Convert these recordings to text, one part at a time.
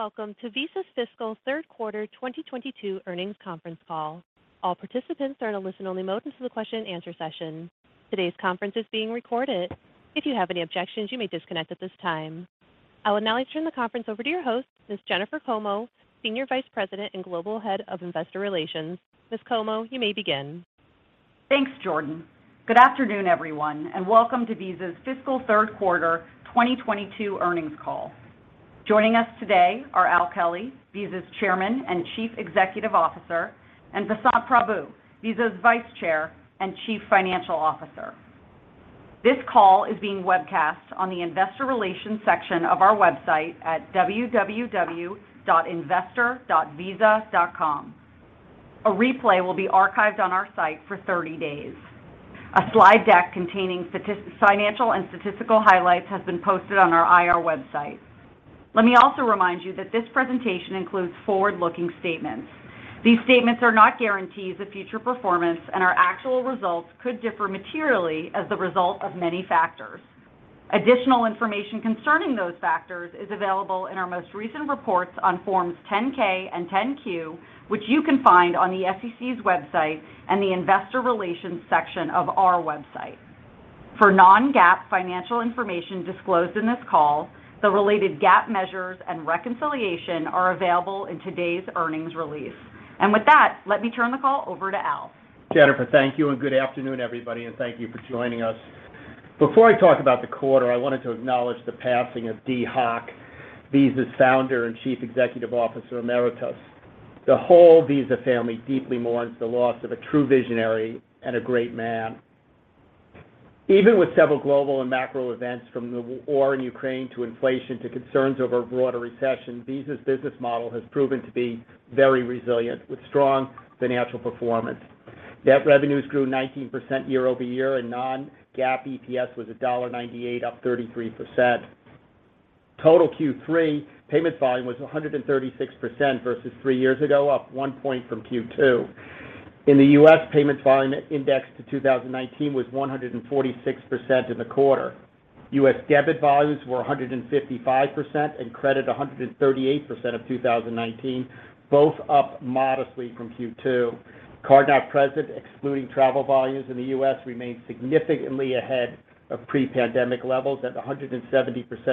Welcome to Visa's fiscal third quarter 2022 earnings conference call. All participants are in a listen-only mode until the question and answer session. Today's conference is being recorded. If you have any objections, you may disconnect at this time. I will now turn the conference over to your host, Ms. Jennifer Como, Senior Vice President and Global Head of Investor Relations. Ms. Como, you may begin. Thanks, Jordan. Good afternoon, everyone, and welcome to Visa's fiscal third quarter 2022 earnings call. Joining us today are Al Kelly, Visa's Chairman and Chief Executive Officer, and Vasant Prabhu, Visa's Vice Chair and Chief Financial Officer. This call is being webcast on the Investor Relations section of our website at www.investor.visa.com. A replay will be archived on our site for 30 days. A slide deck containing statistical and financial highlights has been posted on our IR website. Let me also remind you that this presentation includes forward-looking statements. These statements are not guarantees of future performance, and our actual results could differ materially as a result of many factors. Additional information concerning those factors is available in our most recent reports on Form 10-K and Form 10-Q, which you can find on the SEC's website and the Investor Relations section of our website. For non-GAAP financial information disclosed in this call, the related GAAP measures and reconciliation are available in today's earnings release. With that, let me turn the call over to Al. Jennifer, thank you, and good afternoon, everybody, and thank you for joining us. Before I talk about the quarter, I wanted to acknowledge the passing of Dee Hock, Visa's founder and Chief Executive Officer Emeritus. The whole Visa family deeply mourns the loss of a true visionary and a great man. Even with several global and macro events from the war in Ukraine to inflation to concerns over a broader recession, Visa's business model has proven to be very resilient with strong financial performance. Net revenues grew 19% year-over-year, and non-GAAP EPS was $1.98, up 33%. Total Q3 payment volume was 136% versus three years ago, up one point from Q2. In the U.S., payments volume indexed to 2019 was 146 in the quarter. U.S. debit volumes were 155% and credit 138% of 2019, both up modestly from Q2. Card-not-present, excluding travel volumes in the U.S., remained significantly ahead of pre-pandemic levels at 170%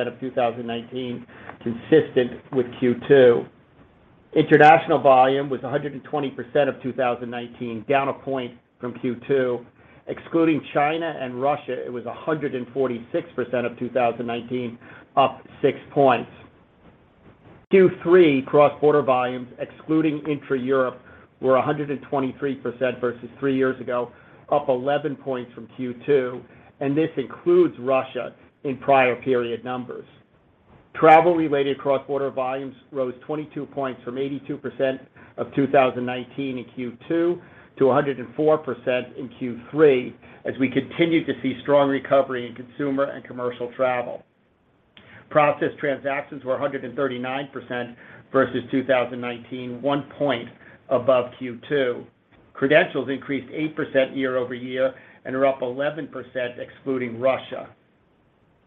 of 2019, consistent with Q2. International volume was 120% of 2019, down a point from Q2. Excluding China and Russia, it was 146% of 2019, up six points. Q3 cross-border volumes, excluding intra-Europe, were 123% versus three years ago, up 11 points from Q2, and this includes Russia in prior period numbers. Travel-related cross-border volumes rose 22 points from 82% of 2019 in Q2 to 104% in Q3 as we continued to see strong recovery in consumer and commercial travel. Processed transactions were 139% versus 2019, one point above Q2. Credentials increased 8% year-over-year and are up 11% excluding Russia.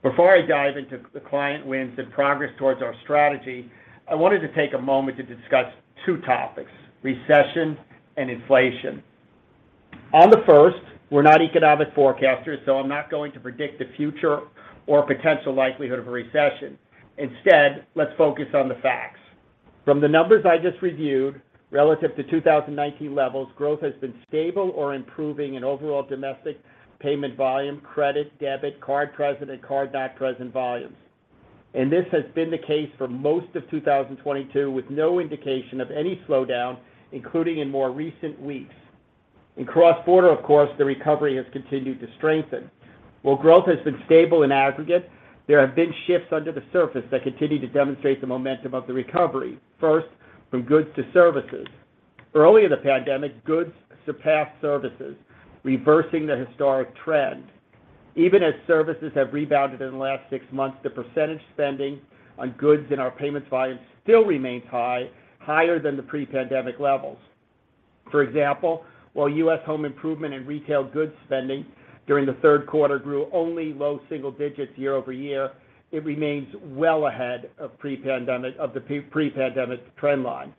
Before I dive into client wins and progress towards our strategy, I wanted to take a moment to discuss two topics, recession and inflation. On the first, we're not economic forecasters, so I'm not going to predict the future or potential likelihood of a recession. Instead, let's focus on the facts. From the numbers I just reviewed, relative to 2019 levels, growth has been stable or improving in overall domestic payment volume, credit, debit, card-present, and card-not-present volumes. This has been the case for most of 2022, with no indication of any slowdown, including in more recent weeks. In cross-border, of course, the recovery has continued to strengthen. While growth has been stable in aggregate, there have been shifts under the surface that continue to demonstrate the momentum of the recovery. First, from goods to services. Early in the pandemic, goods surpassed services, reversing the historic trend. Even as services have rebounded in the last six months, the percentage spending on goods in our payments volume still remains high, higher than the pre-pandemic levels. For example, while U.S. Home Improvement and Retail Goods spending during the third quarter grew only low single digits year-over-year, it remains well ahead of pre-pandemic, of the pre-pandemic trend line.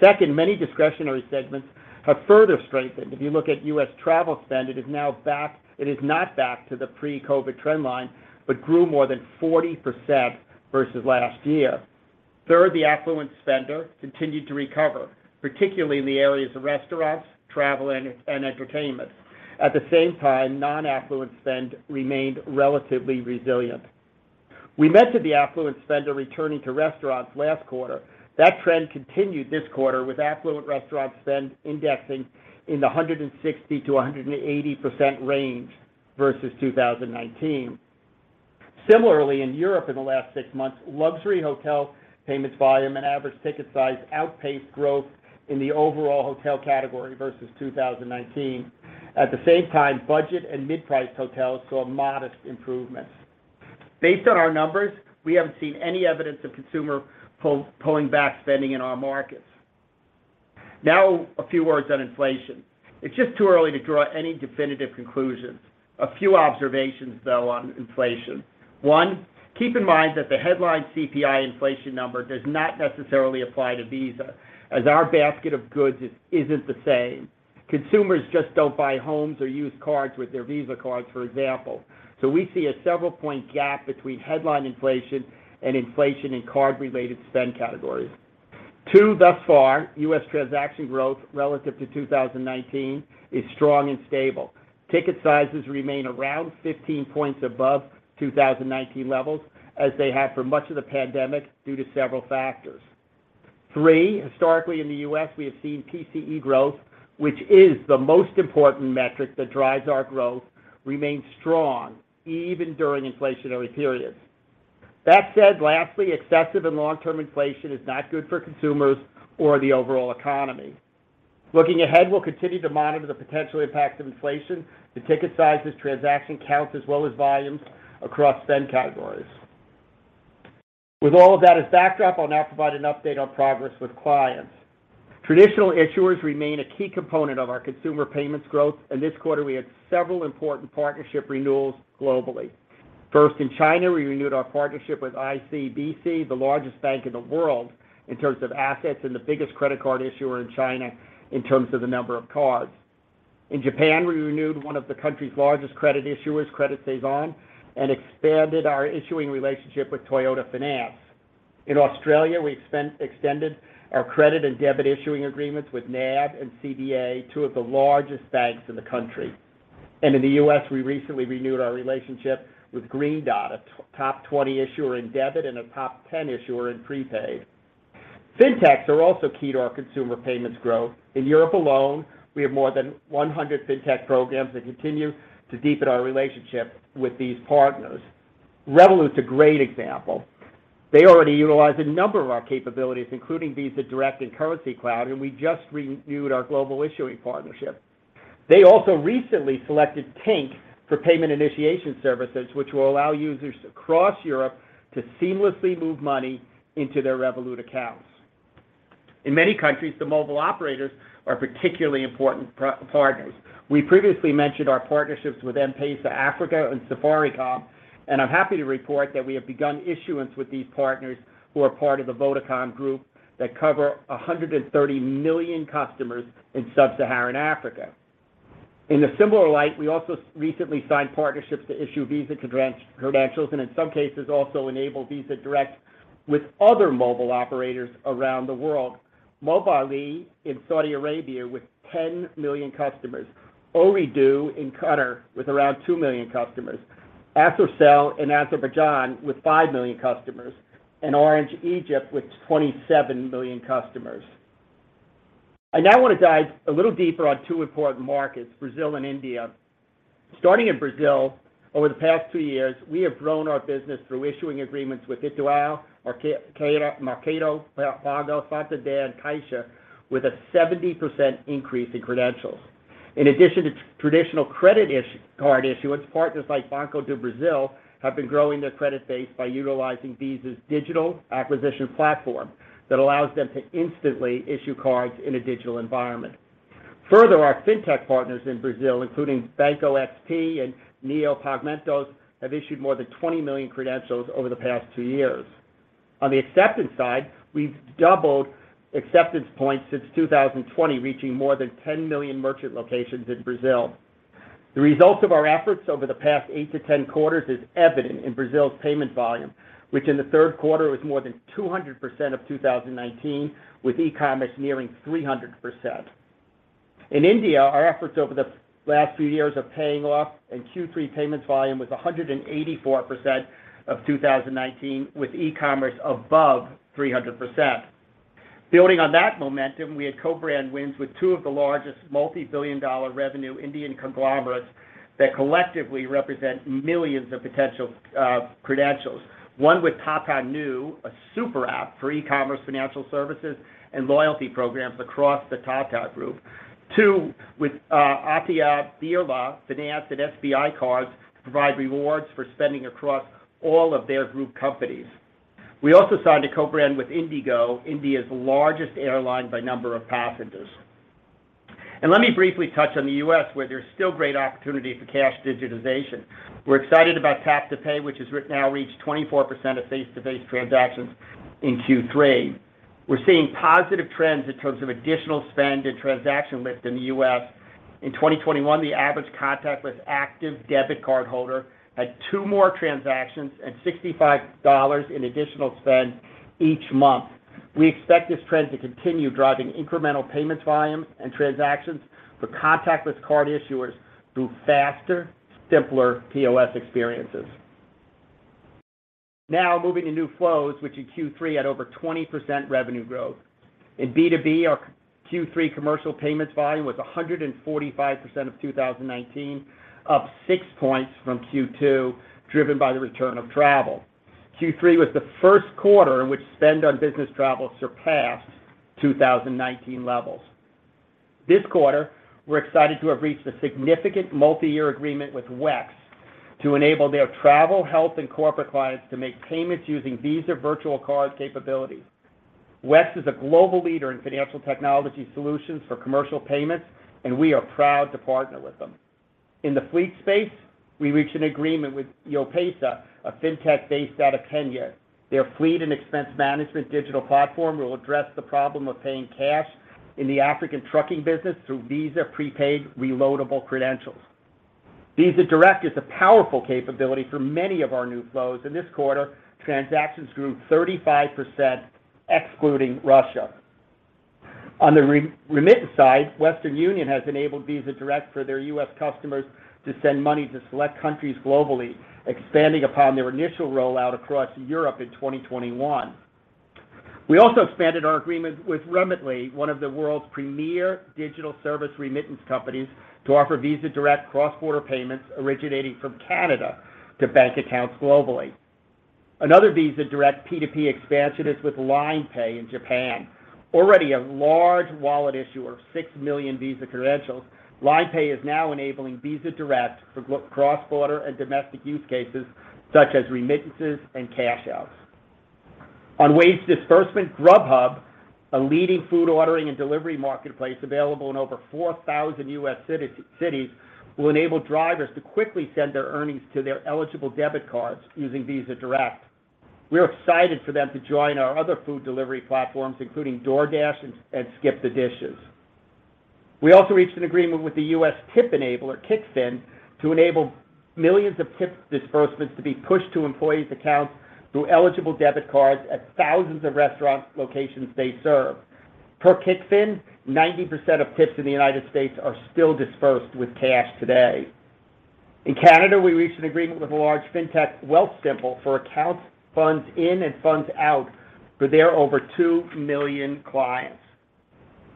Second, many discretionary segments have further strengthened. If you look at U.S. Travel spend, it is not back to the pre-COVID trend line, but grew more than 40% versus last year. Third, the affluent spender continued to recover, particularly in the areas of restaurants, travel, and entertainment. At the same time, non-affluent spend remained relatively resilient. We mentioned the affluent spender returning to restaurants last quarter. That trend continued this quarter with affluent restaurant spend indexing in the 160%-180% range versus 2019. Similarly, in Europe in the last six months, luxury hotel payments volume and average ticket size outpaced growth in the overall hotel category versus 2019. At the same time, budget and mid-priced hotels saw modest improvements. Based on our numbers, we haven't seen any evidence of consumer pulling back spending in our markets. Now a few words on inflation. It's just too early to draw any definitive conclusions. A few observations, though, on inflation. One, keep in mind that the headline CPI inflation number does not necessarily apply to Visa, as our basket of goods isn't the same. Consumers just don't buy homes or use cards with their Visa cards, for example. We see a several point gap between headline inflation and inflation in card-related spend categories. Two, thus far, U.S. transaction growth relative to 2019 is strong and stable. Ticket sizes remain around 15 points above 2019 levels, as they have for much of the pandemic due to several factors. Three, historically in the U.S., we have seen PCE growth, which is the most important metric that drives our growth, remain strong even during inflationary periods. That said, lastly, excessive and long-term inflation is not good for consumers or the overall economy. Looking ahead, we'll continue to monitor the potential impact of inflation to ticket sizes, transaction counts, as well as volumes across spend categories. With all of that as backdrop, I'll now provide an update on progress with clients. Traditional issuers remain a key component of our consumer payments growth, and this quarter we had several important partnership renewals globally. First, in China, we renewed our partnership with ICBC, the largest bank in the world in terms of assets and the biggest credit card issuer in China in terms of the number of cards. In Japan, we renewed one of the country's largest credit issuers, Credit Saison, and expanded our issuing relationship with Toyota Financial Services. In Australia, we extended our credit and debit issuing agreements with NAB and CBA, two of the largest banks in the country. In the U.S., we recently renewed our relationship with Green Dot, a top 20 issuer in debit and a top 10 issuer in prepaid. Fintechs are also key to our consumer payments growth. In Europe alone, we have more than 100 Fintech programs and continue to deepen our relationship with these partners. Revolut's a great example. They already utilize a number of our capabilities, including Visa Direct and Currencycloud, and we just renewed our global issuing partnership. They also recently selected Tink for payment initiation services, which will allow users across Europe to seamlessly move money into their Revolut accounts. In many countries, the mobile operators are particularly important partners. We previously mentioned our partnerships with M-PESA Africa and Safaricom, and I'm happy to report that we have begun issuance with these partners who are part of the Vodacom Group that cover 130 million customers in sub-Saharan Africa. In a similar light, we also recently signed partnerships to issue Visa credentials, and in some cases also enable Visa Direct with other mobile operators around the world. Mobily in Saudi Arabia with 10 million customers, Ooredoo in Qatar with around 2 million customers, Azercell in Azerbaijan with 5 million customers, and Orange Egypt with 27 million customers. I now want to dive a little deeper on two important markets, Brazil and India. Starting in Brazil, over the past two years, we have grown our business through issuing agreements with Itaú, Mercado Pago, Santander, and Caixa with a 70% increase in credentials. In addition to traditional credit card issuance, partners like Banco do Brasil have been growing their credit base by utilizing Visa's digital acquisition platform that allows them to instantly issue cards in a digital environment. Further, our fintech partners in Brazil, including Banco XP and Neon Pagamentos, have issued more than 20 million credentials over the past two years. On the acceptance side, we've doubled acceptance points since 2020, reaching more than 10 million merchant locations in Brazil. The results of our efforts over the past 8-10 quarters is evident in Brazil's payment volume, which in the third quarter was more than 200% of 2019, with e-commerce nearing 300%. In India, our efforts over the last few years are paying off, and Q3 payments volume was 184% of 2019, with e-commerce above 300%. Building on that momentum, we had co-brand wins with two of the largest multi-billion dollar revenue Indian conglomerates that collectively represent millions of potential credentials. One with Tata Neu, a super app for e-commerce financial services and loyalty programs across the Tata Group. Two, with Aditya Birla Finance and SBI Cards to provide rewards for spending across all of their group companies. We also signed a co-brand with IndiGo, India's largest airline by number of passengers. Let me briefly touch on the U.S., where there's still great opportunity for cash digitization. We're excited about tap-to-pay, which has now reached 24% of face-to-face transactions in Q3. We're seeing positive trends in terms of additional spend and transaction lift in the U.S. In 2021, the average contactless active debit cardholder had two more transactions and $65 in additional spend each month. We expect this trend to continue driving incremental payments volume and transactions for contactless card issuers through faster, simpler POS experiences. Now moving to new flows, which in Q3 had over 20% revenue growth. In B2B, our Q3 commercial payments volume was 145% of 2019, up six points from Q2, driven by the return of travel. Q3 was the first quarter in which spend on business travel surpassed 2019 levels. This quarter, we're excited to have reached a significant multi-year agreement with WEX to enable their travel, health, and corporate clients to make payments using Visa virtual card capabilities. WEX is a global leader in financial technology solutions for commercial payments, and we are proud to partner with them. In the fleet space, we reached an agreement with JointPesa, a fintech based out of Kenya. Their fleet and expense management digital platform will address the problem of paying cash in the African trucking business through Visa prepaid reloadable credentials. Visa Direct is a powerful capability for many of our new flows, and this quarter, transactions grew 35% excluding Russia. On the re-remittance side, Western Union has enabled Visa Direct for their U.S. customers to send money to select countries globally, expanding upon their initial rollout across Europe in 2021. We also expanded our agreement with Remitly, one of the world's premier digital service remittance companies, to offer Visa Direct cross-border payments originating from Canada to bank accounts globally. Another Visa Direct P2P expansion is with LINE Pay in Japan. Already a large wallet issuer of 6 million Visa credentials, LINE Pay is now enabling Visa Direct for cross-border and domestic use cases such as remittances and cash outs. On wage disbursement, Grubhub, a leading food ordering and delivery marketplace available in over 4,000 U.S. cities, will enable drivers to quickly send their earnings to their eligible debit cards using Visa Direct. We are excited for them to join our other food delivery platforms, including DoorDash and SkipTheDishes. We also reached an agreement with the U.S. tip enabler, Kickfin, to enable millions of tip disbursements to be pushed to employees' accounts through eligible debit cards at thousands of restaurant locations they serve. Per Kickfin, 90% of tips in the United States are still disbursed with cash today. In Canada, we reached an agreement with a large fintech, Wealthsimple, for accounts funds in and funds out for their over 2 million clients.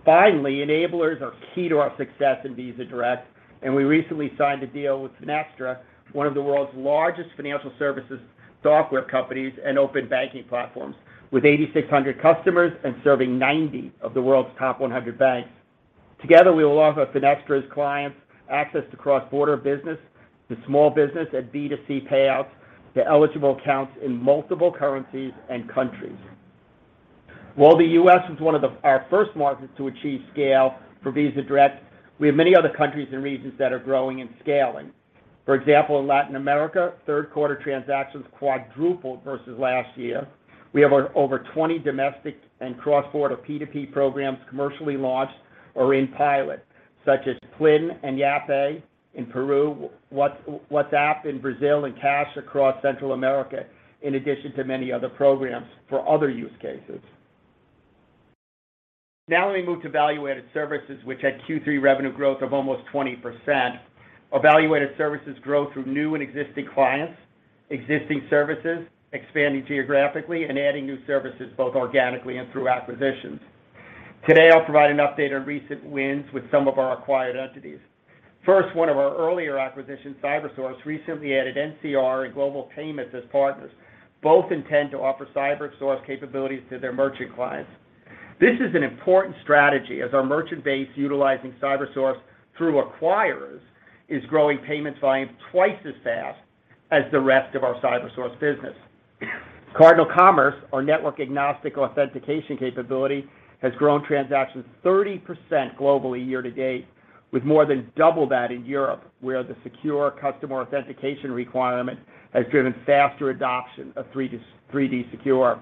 Enablers are key to our success in Visa Direct, and we recently signed a deal with Finastra, one of the world's largest financial services software companies and open banking platforms, with 8,600 customers and serving 90 of the world's top 100 banks. Together, we will offer Finastra's clients access to cross-border business, to small business, and B2C payouts to eligible accounts in multiple currencies and countries. While the U.S. was one of our first markets to achieve scale for Visa Direct, we have many other countries and regions that are growing and scaling. For example, in Latin America, third quarter transactions quadrupled versus last year. We have over 20 domestic and cross-border P2P programs commercially launched or in pilot, such as Plin and Yape in Peru, WhatsApp in Brazil, and Cashi across Central America, in addition to many other programs for other use cases. Now let me move to value-added services, which had Q3 revenue growth of almost 20%. Our value-added services grow through new and existing clients, existing services, expanding geographically, and adding new services both organically and through acquisitions. Today, I'll provide an update on recent wins with some of our acquired entities. First, one of our earlier acquisitions, Cybersource, recently added NCR and Global Payments as partners. Both intend to offer Cybersource capabilities to their merchant clients. This is an important strategy as our merchant base utilizing Cybersource through acquirers is growing payment volume twice as fast as the rest of our Cybersource business. Cardinal Commerce, our network-agnostic authentication capability, has grown transactions 30% globally year to date, with more than double that in Europe, where the secure customer authentication requirement has driven faster adoption of 3D Secure.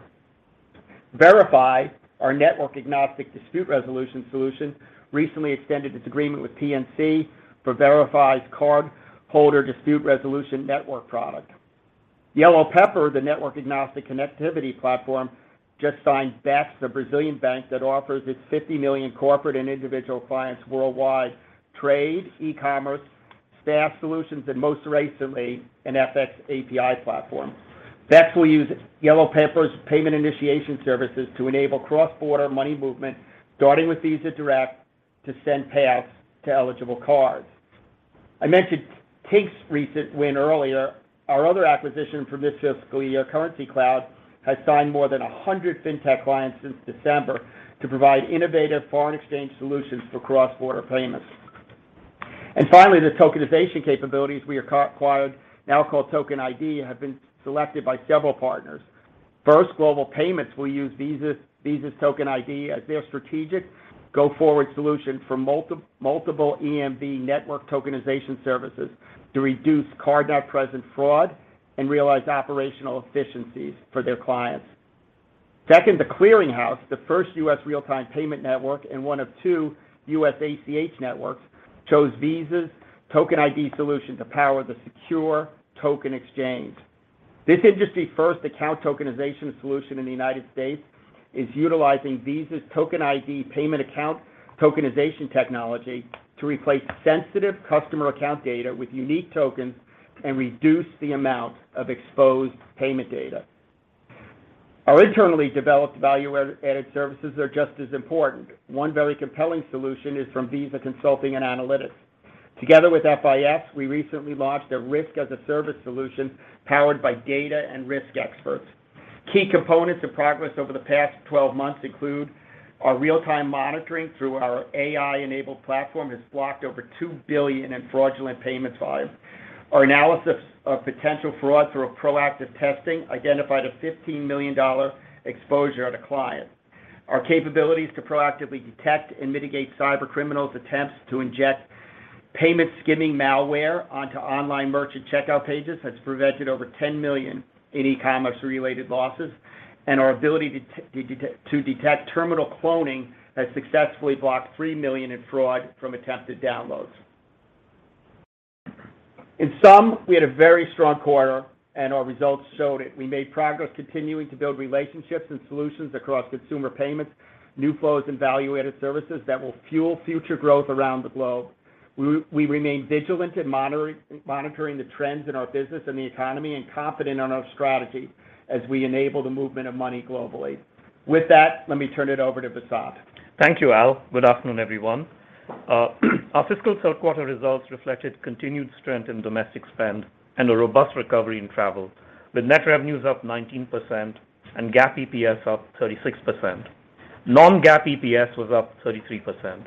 Verifi, our network-agnostic dispute resolution solution, recently extended its agreement with PNC for Verifi's cardholder dispute resolution network product. YellowPepper, the network-agnostic connectivity platform, just signed BEXS, a Brazilian bank that offers its 50 million corporate and individual clients worldwide trade, e-commerce, staff solutions, and most recently, an FX API platform. BEXS will use YellowPepper's payment initiation services to enable cross-border money movement, starting with Visa Direct, to send payouts to eligible cards. I mentioned Tink's recent win earlier. Our other acquisition from this fiscal year, Currencycloud, has signed more than 100 fintech clients since December to provide innovative foreign exchange solutions for cross-border payments. Finally, the tokenization capabilities we acquired, now called Token ID, have been selected by several partners. First, Global Payments will use Visa's Token ID as their strategic go-forward solution for multiple EMV network tokenization services to reduce card-not-present fraud and realize operational efficiencies for their clients. Second, The Clearing House, the first U.S. real-time payment network and one of two U.S. ACH networks, chose Visa's Token ID solution to power the secure token exchange. This industry-first account tokenization solution in the United States is utilizing Visa's Token ID payment account tokenization technology to replace sensitive customer account data with unique tokens and reduce the amount of exposed payment data. Our internally developed value-added services are just as important. One very compelling solution is from Visa Consulting and Analytics. Together with FIS, we recently launched a risk-as-a-service solution powered by data and risk experts. Key components of progress over the past 12 months include our real-time monitoring through our AI-enabled platform has blocked over two billion in fraudulent payment files. Our analysis of potential fraud through a proactive testing identified a $15 million exposure at a client. Our capabilities to proactively detect and mitigate cybercriminals' attempts to inject payment skimming malware onto online merchant checkout pages has prevented over $10 million in e-commerce-related losses. Our ability to detect terminal cloning has successfully blocked $3 million in fraud from attempted downloads. In sum, we had a very strong quarter, and our results showed it. We made progress continuing to build relationships and solutions across consumer payments, new flows in value-added services that will fuel future growth around the globe. We remain vigilant in monitoring the trends in our business and the economy and confident in our strategy as we enable the movement of money globally. With that, let me turn it over to Vasant. Thank you, Al. Good afternoon, everyone. Our fiscal third quarter results reflected continued strength in domestic spend and a robust recovery in travel, with net revenues up 19% and GAAP EPS up 36%. Non-GAAP EPS was up 33%.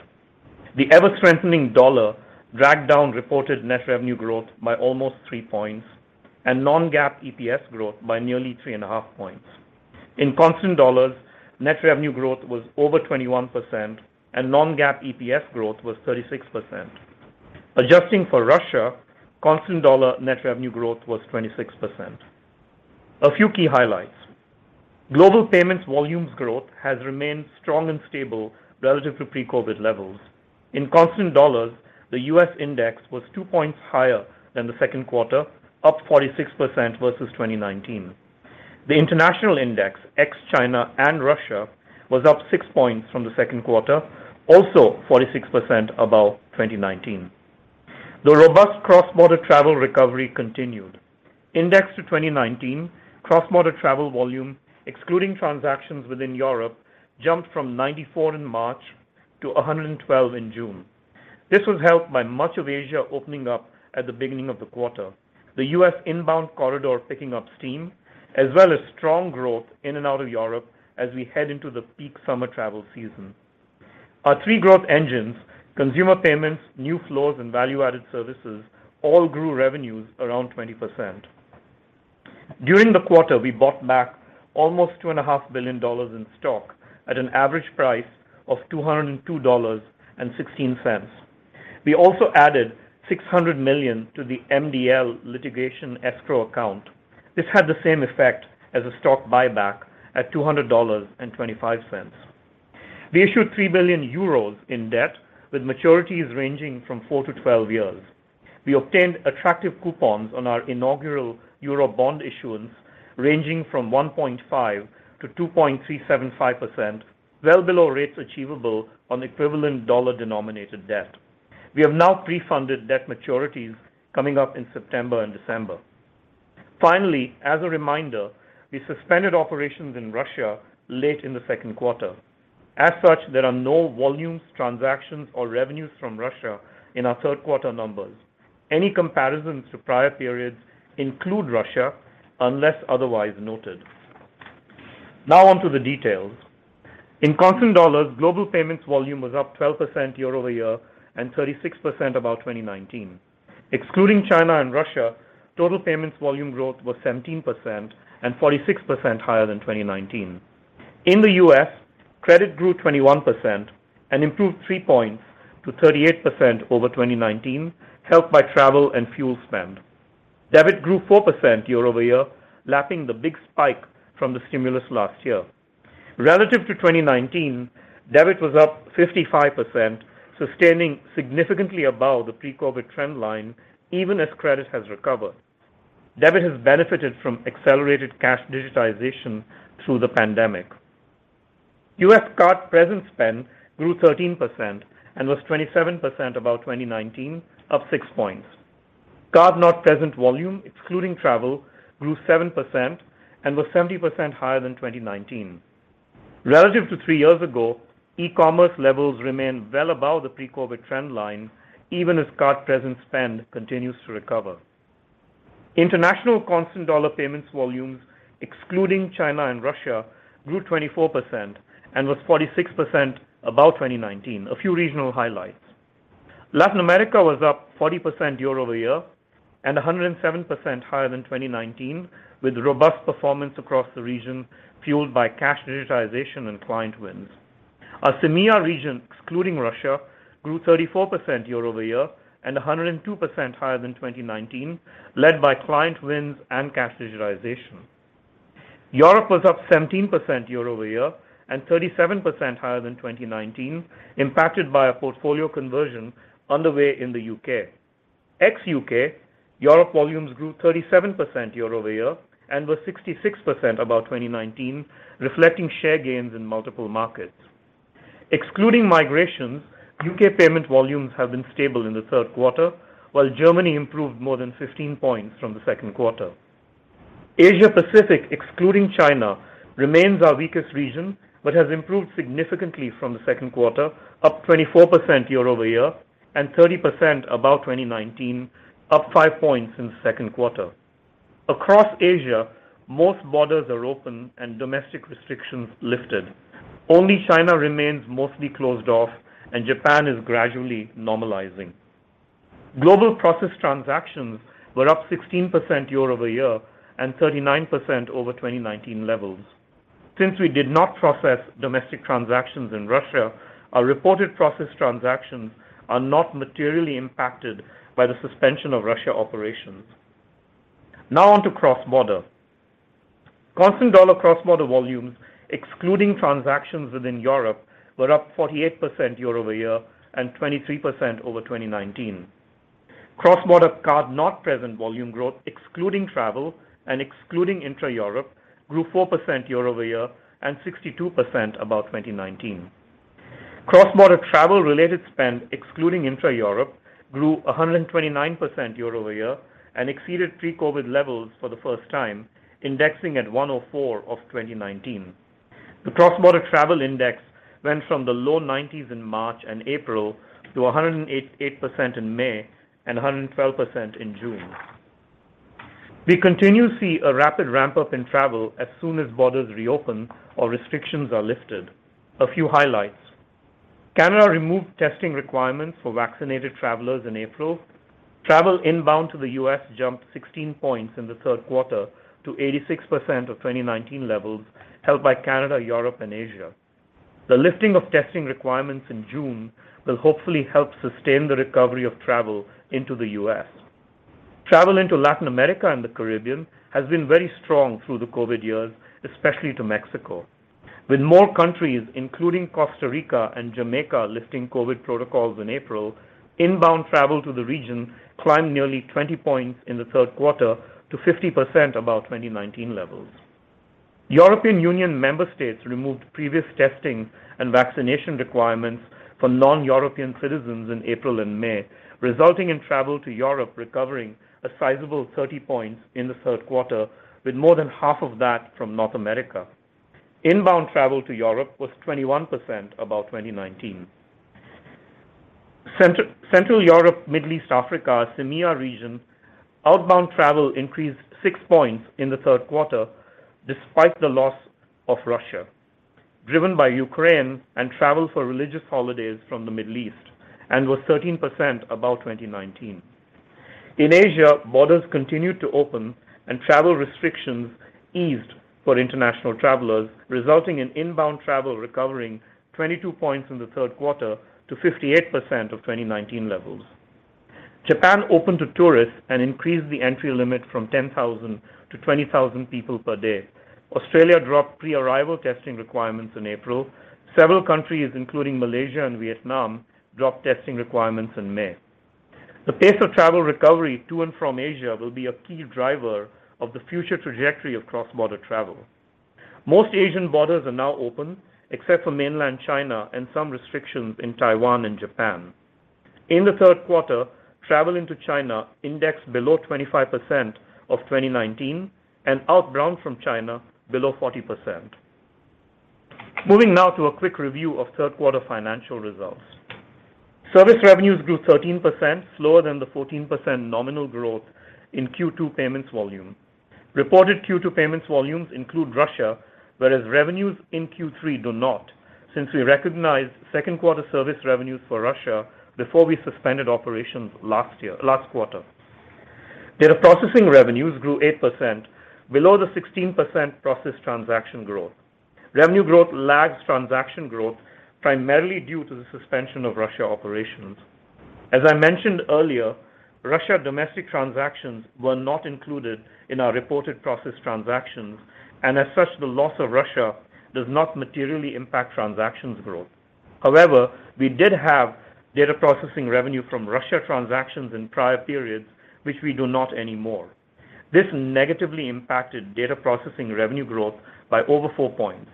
The ever-strengthening dollar dragged down reported net revenue growth by almost three points and non-GAAP EPS growth by nearly 3.5 points. In constant dollars, net revenue growth was over 21% and non-GAAP EPS growth was 36%. Adjusting for Russia, constant dollar net revenue growth was 26%. A few key highlights. Global payments volumes growth has remained strong and stable relative to pre-COVID levels. In constant dollars, the U.S. index was two points higher than the second quarter, up 46% versus 2019. The international index, ex-China and Russia, was up six points from the second quarter, also 46% above 2019. The robust cross-border travel recovery continued. Indexed to 2019, cross-border travel volume, excluding transactions within Europe, jumped from 94 in March to 112 in June. This was helped by much of Asia opening up at the beginning of the quarter, the US inbound corridor picking up steam, as well as strong growth in and out of Europe as we head into the peak summer travel season. Our three growth engines, consumer payments, new flows, and value-added services, all grew revenues around 20%. During the quarter, we bought back almost two and a half billion dollars in stock at an average price of $202.16. We also added $600 million to the MDL litigation escrow account. This had the same effect as a stock buyback at $200.25. We issued 3 billion euros in debt with maturities ranging from 4-12 years. We obtained attractive coupons on our inaugural Eurobond issuance ranging from 1.5%-2.375%, well below rates achievable on equivalent dollar-denominated debt. We have now pre-funded debt maturities coming up in September and December. Finally, as a reminder, we suspended operations in Russia late in the second quarter. As such, there are no volumes, transactions, or revenues from Russia in our third quarter numbers. Any comparisons to prior periods include Russia unless otherwise noted. Now on to the details. In constant dollars, global payments volume was up 12% year-over-year and 36% above 2019. Excluding China and Russia, total payments volume growth was 17% and 46% higher than 2019. In the U.S., credit grew 21% and improved three points to 38% over 2019, helped by travel and fuel spend. Debit grew 4% year-over-year, lapping the big spike from the stimulus last year. Relative to 2019, debit was up 55%, sustaining significantly above the pre-COVID trend line even as credit has recovered. Debit has benefited from accelerated cash digitization through the pandemic. U.S. card-present spend grew 13% and was 27% above 2019, up six points. Card-not-present volume, excluding travel, grew 7% and was 70% higher than 2019. Relative to three years ago, e-commerce levels remain well above the pre-COVID trend line, even as card-present spend continues to recover. International constant dollar payments volumes, excluding China and Russia, grew 24% and was 46% above 2019. A few regional highlights. Latin America was up 40% year-over-year and 107% higher than 2019, with robust performance across the region fueled by cash digitization and client wins. Our MEA region, excluding Russia, grew 34% year-over-year and 102% higher than 2019, led by client wins and cash digitization. Europe was up 17% year-over-year and 37% higher than 2019, impacted by a portfolio conversion underway in the U.K. Ex-U.K., Europe volumes grew 37% year-over-year and was 66% above 2019, reflecting share gains in multiple markets. Excluding migrations, U.K. payment volumes have been stable in the third quarter, while Germany improved more than 15 points from the second quarter. Asia Pacific, excluding China, remains our weakest region, but has improved significantly from the second quarter, up 24% year-over-year and 30% above 2019, up five points in the second quarter. Across Asia, most borders are open and domestic restrictions lifted. Only China remains mostly closed off and Japan is gradually normalizing. Global processed transactions were up 16% year-over-year and 39% over 2019 levels. Since we did not process domestic transactions in Russia, our reported processed transactions are not materially impacted by the suspension of Russia operations. Now on to cross-border. Constant dollar cross-border volumes, excluding transactions within Europe, were up 48% year-over-year and 23% over 2019. Cross-border card-not-present volume growth, excluding travel and excluding intra-Europe, grew 4% year-over-year and 62% above 2019. Cross-border travel-related spend, excluding intra-Europe, grew 129% year-over-year and exceeded pre-COVID levels for the first time, indexing at 104 of 2019. The cross-border travel index went from the low 90s in March and April to 108.8% in May and 112% in June. We continue to see a rapid ramp-up in travel as soon as borders reopen or restrictions are lifted. A few highlights. Canada removed testing requirements for vaccinated travelers in April. Travel inbound to the U.S. jumped 16 points in the third quarter to 86% of 2019 levels led by Canada, Europe and Asia. The lifting of testing requirements in June will hopefully help sustain the recovery of travel into the U.S. Travel into Latin America and the Caribbean has been very strong through the COVID years, especially to Mexico. With more countries, including Costa Rica and Jamaica lifting COVID protocols in April, inbound travel to the region climbed nearly 20 points in the third quarter to 50% above 2019 levels. European Union member states removed previous testing and vaccination requirements for non-European citizens in April and May, resulting in travel to Europe recovering a sizable 30 points in the third quarter, with more than half of that from North America. Inbound travel to Europe was 21% above 2019. Central Europe, Middle East, Africa, CEMEA region, outbound travel increased six points in the third quarter despite the loss of Russia, driven by Ukraine and travel for religious holidays from the Middle East, and was 13% above 2019. In Asia, borders continued to open and travel restrictions eased for international travelers, resulting in inbound travel recovering 22 points in the third quarter to 58% of 2019 levels. Japan opened to tourists and increased the entry limit from 10,000 to 20,000 people per day. Australia dropped pre-arrival testing requirements in April. Several countries, including Malaysia and Vietnam, dropped testing requirements in May. The pace of travel recovery to and from Asia will be a key driver of the future trajectory of cross-border travel. Most Asian borders are now open, except for mainland China and some restrictions in Taiwan and Japan. In the third quarter, travel into China indexed below 25% of 2019 and outbound from China below 40%. Moving now to a quick review of third quarter financial results. Service revenues grew 13%, slower than the 14% nominal growth in Q2 payments volume. Reported Q2 payments volumes include Russia, whereas revenues in Q3 do not, since we recognized second quarter service revenues for Russia before we suspended operations last quarter. Data processing revenues grew 8%, below the 16% processed transaction growth. Revenue growth lags transaction growth primarily due to the suspension of Russia operations. As I mentioned earlier, Russia domestic transactions were not included in our reported processed transactions, and as such, the loss of Russia does not materially impact transactions growth. However, we did have data processing revenue from Russia transactions in prior periods, which we do not anymore. This negatively impacted data processing revenue growth by over four points.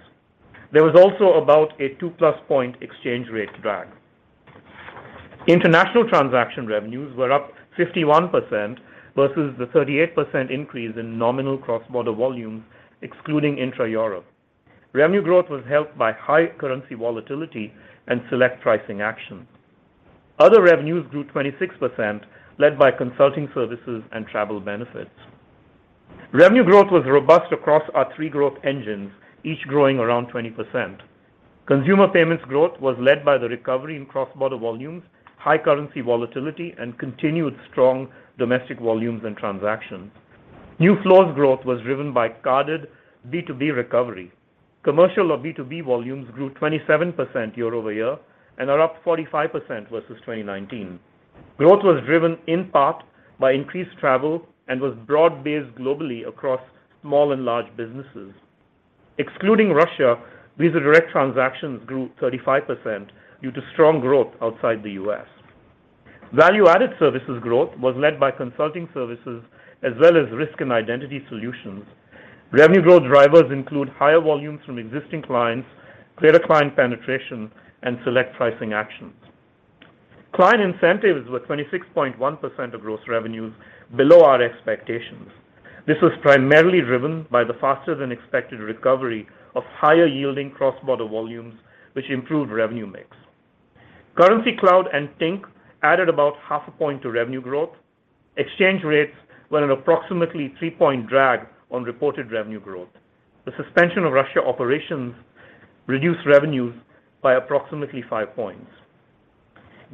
There was also about a 2+ point exchange rate drag. International transaction revenues were up 51% versus the 38% increase in nominal cross-border volumes excluding intra-Europe. Revenue growth was helped by high currency volatility and select pricing actions. Other revenues grew 26%, led by consulting services and travel benefits. Revenue growth was robust across our three growth engines, each growing around 20%. Consumer payments growth was led by the recovery in cross-border volumes, high currency volatility, and continued strong domestic volumes and transactions. New flows growth was driven by carded B2B recovery. Commercial or B2B volumes grew 27% year-over-year and are up 45% versus 2019. Growth was driven in part by increased travel and was broad-based globally across small and large businesses. Excluding Russia, Visa Direct transactions grew 35% due to strong growth outside the US. Value-added services growth was led by consulting services as well as risk and identity solutions. Revenue growth drivers include higher volumes from existing clients, clear client penetration, and select pricing actions. Client incentives were 26.1% of gross revenues below our expectations. This was primarily driven by the faster than expected recovery of higher yielding cross-border volumes which improved revenue mix. Currencycloud and Tink added about half a point to revenue growth. Exchange rates were an approximately three-point drag on reported revenue growth. The suspension of Russia operations reduced revenues by approximately five points.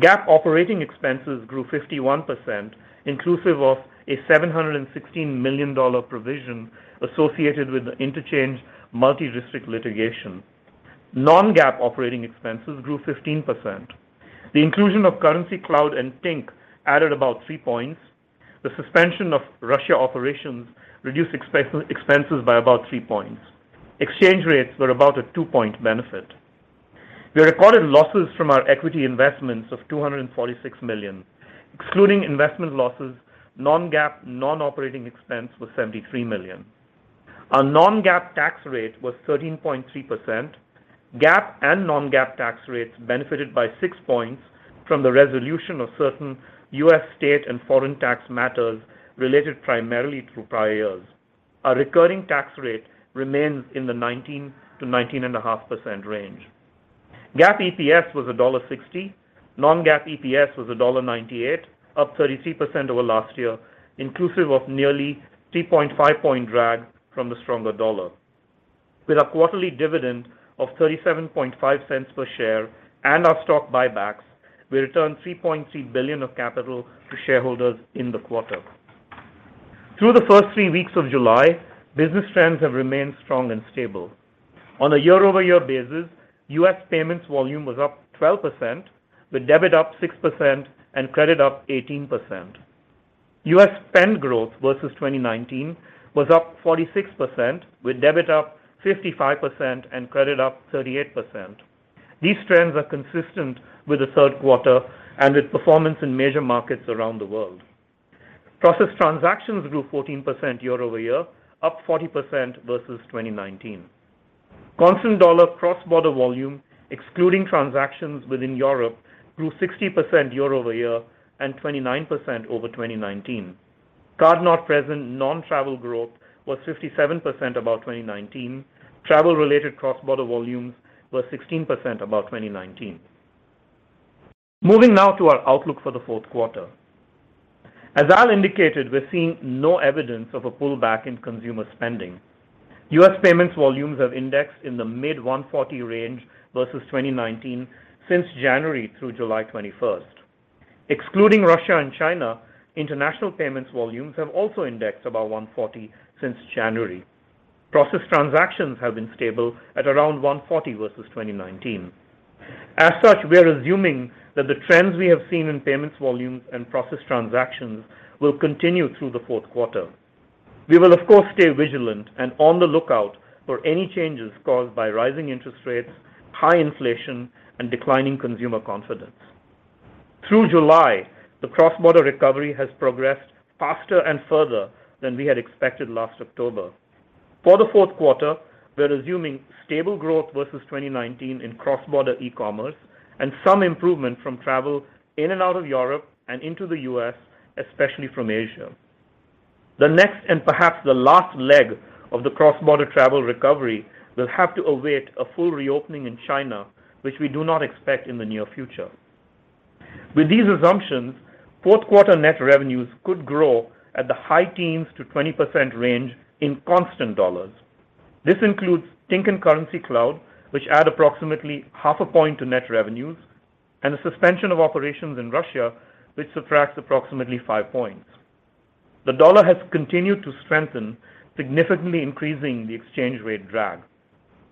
GAAP operating expenses grew 51%, inclusive of a $716 million provision associated with the interchange multi-district litigation. Non-GAAP operating expenses grew 15%. The inclusion of Currencycloud and Tink added about three points. The suspension of Russia operations reduced expenses by about three points. Exchange rates were about a two-point benefit. We recorded losses from our equity investments of $246 million. Excluding investment losses, non-GAAP, non-operating expense was $73 million. Our non-GAAP tax rate was 13.3%. GAAP and non-GAAP tax rates benefited by six points from the resolution of certain U.S. state and foreign tax matters related primarily to prior years. Our recurring tax rate remains in the 19%-19.5% range. GAAP EPS was $1.60. Non-GAAP EPS was $1.98, up 33% over last year, inclusive of nearly 3.5-point drag from the stronger dollar. With our quarterly dividend of $0.375 per share and our stock buybacks, we returned $3.3 billion of capital to shareholders in the quarter. Through the first three weeks of July, business trends have remained strong and stable. On a year-over-year basis, U.S. payments volume was up 12%, with debit up 6% and credit up 18%. U.S. spend growth versus 2019 was up 46%, with debit up 55% and credit up 38%. These trends are consistent with the third quarter and with performance in major markets around the world. Processed transactions grew 14% year-over-year, up 40% versus 2019. Constant dollar cross-border volume, excluding transactions within Europe, grew 60% year-over-year and 29% over 2019. Card-not-present non-travel growth was 57% above 2019. Travel-related cross-border volumes were 16% above 2019. Moving now to our outlook for the fourth quarter. As Al indicated, we're seeing no evidence of a pullback in consumer spending. U.S. payments volumes have indexed in the mid-140 range versus 2019 since January through July 21st. Excluding Russia and China, international payments volumes have also indexed above 140 since January. Processed transactions have been stable at around 140 versus 2019. As such, we are assuming that the trends we have seen in payments volumes and processed transactions will continue through the fourth quarter. We will of course stay vigilant and on the lookout for any changes caused by rising interest rates, high inflation, and declining consumer confidence. Through July, the cross-border recovery has progressed faster and further than we had expected last October. For the fourth quarter, we're assuming stable growth versus 2019 in cross-border e-commerce and some improvement from travel in and out of Europe and into the U.S., especially from Asia. The next, and perhaps the last leg of the cross-border travel recovery will have to await a full reopening in China, which we do not expect in the near future. With these assumptions, fourth quarter net revenues could grow at the high teens to 20% range in constant dollars. This includes Tink and Currencycloud, which add approximately hazlf a point to net revenues, and the suspension of operations in Russia, which subtracts approximately five points. The dollar has continued to strengthen, significantly increasing the exchange rate drag,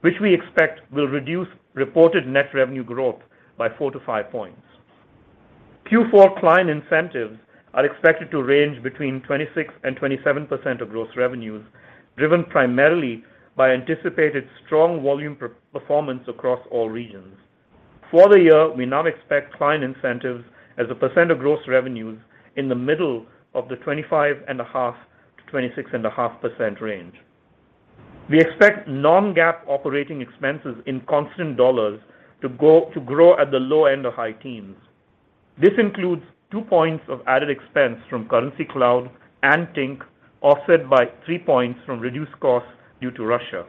which we expect will reduce reported net revenue growth by four to five points. Q4 client incentives are expected to range between 26% and 27% of gross revenues, driven primarily by anticipated strong volume performance across all regions. For the year, we now expect client incentives as a percent of gross revenues in the middle of the 25.5%-26.5% range. We expect non-GAAP operating expenses in constant dollars to grow at the low end of high teens. This includes two points of added expense from Currencycloud and Tink, offset by three points from reduced costs due to Russia.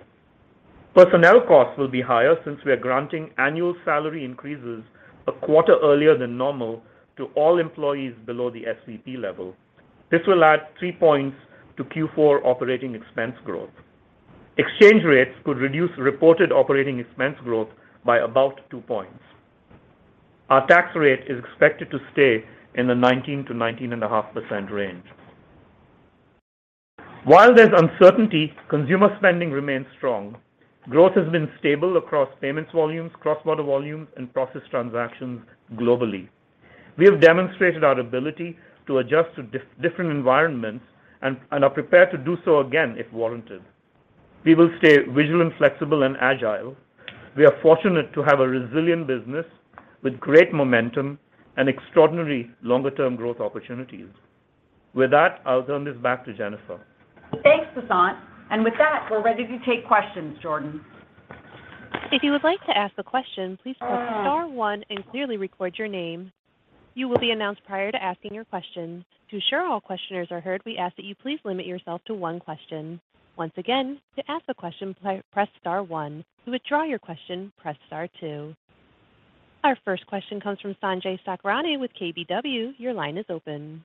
Personnel costs will be higher since we are granting annual salary increases a quarter earlier than normal to all employees below the SVP level. This will add three points to Q4 operating expense growth. Exchange rates could reduce reported operating expense growth by about two points. Our tax rate is expected to stay in the 19%-19.5% range. While there's uncertainty, consumer spending remains strong. Growth has been stable across payments volumes, cross-border volumes, and processed transactions globally. We have demonstrated our ability to adjust to different environments and are prepared to do so again if warranted. We will stay vigilant, flexible and agile. We are fortunate to have a resilient business with great momentum and extraordinary longer-term growth opportunities. With that, I'll turn this back to Jennifer. Thanks, Vasant. With that, we're ready to take questions, Jordan. If you would like to ask a question, please press star one and clearly record your name. You will be announced prior to asking your question. To ensure all questioners are heard, we ask that you please limit yourself to one question. Once again, to ask a question, please press star one. To withdraw your question, press star two. Our first question comes from Sanjay Sakhrani with KBW. Your line is open.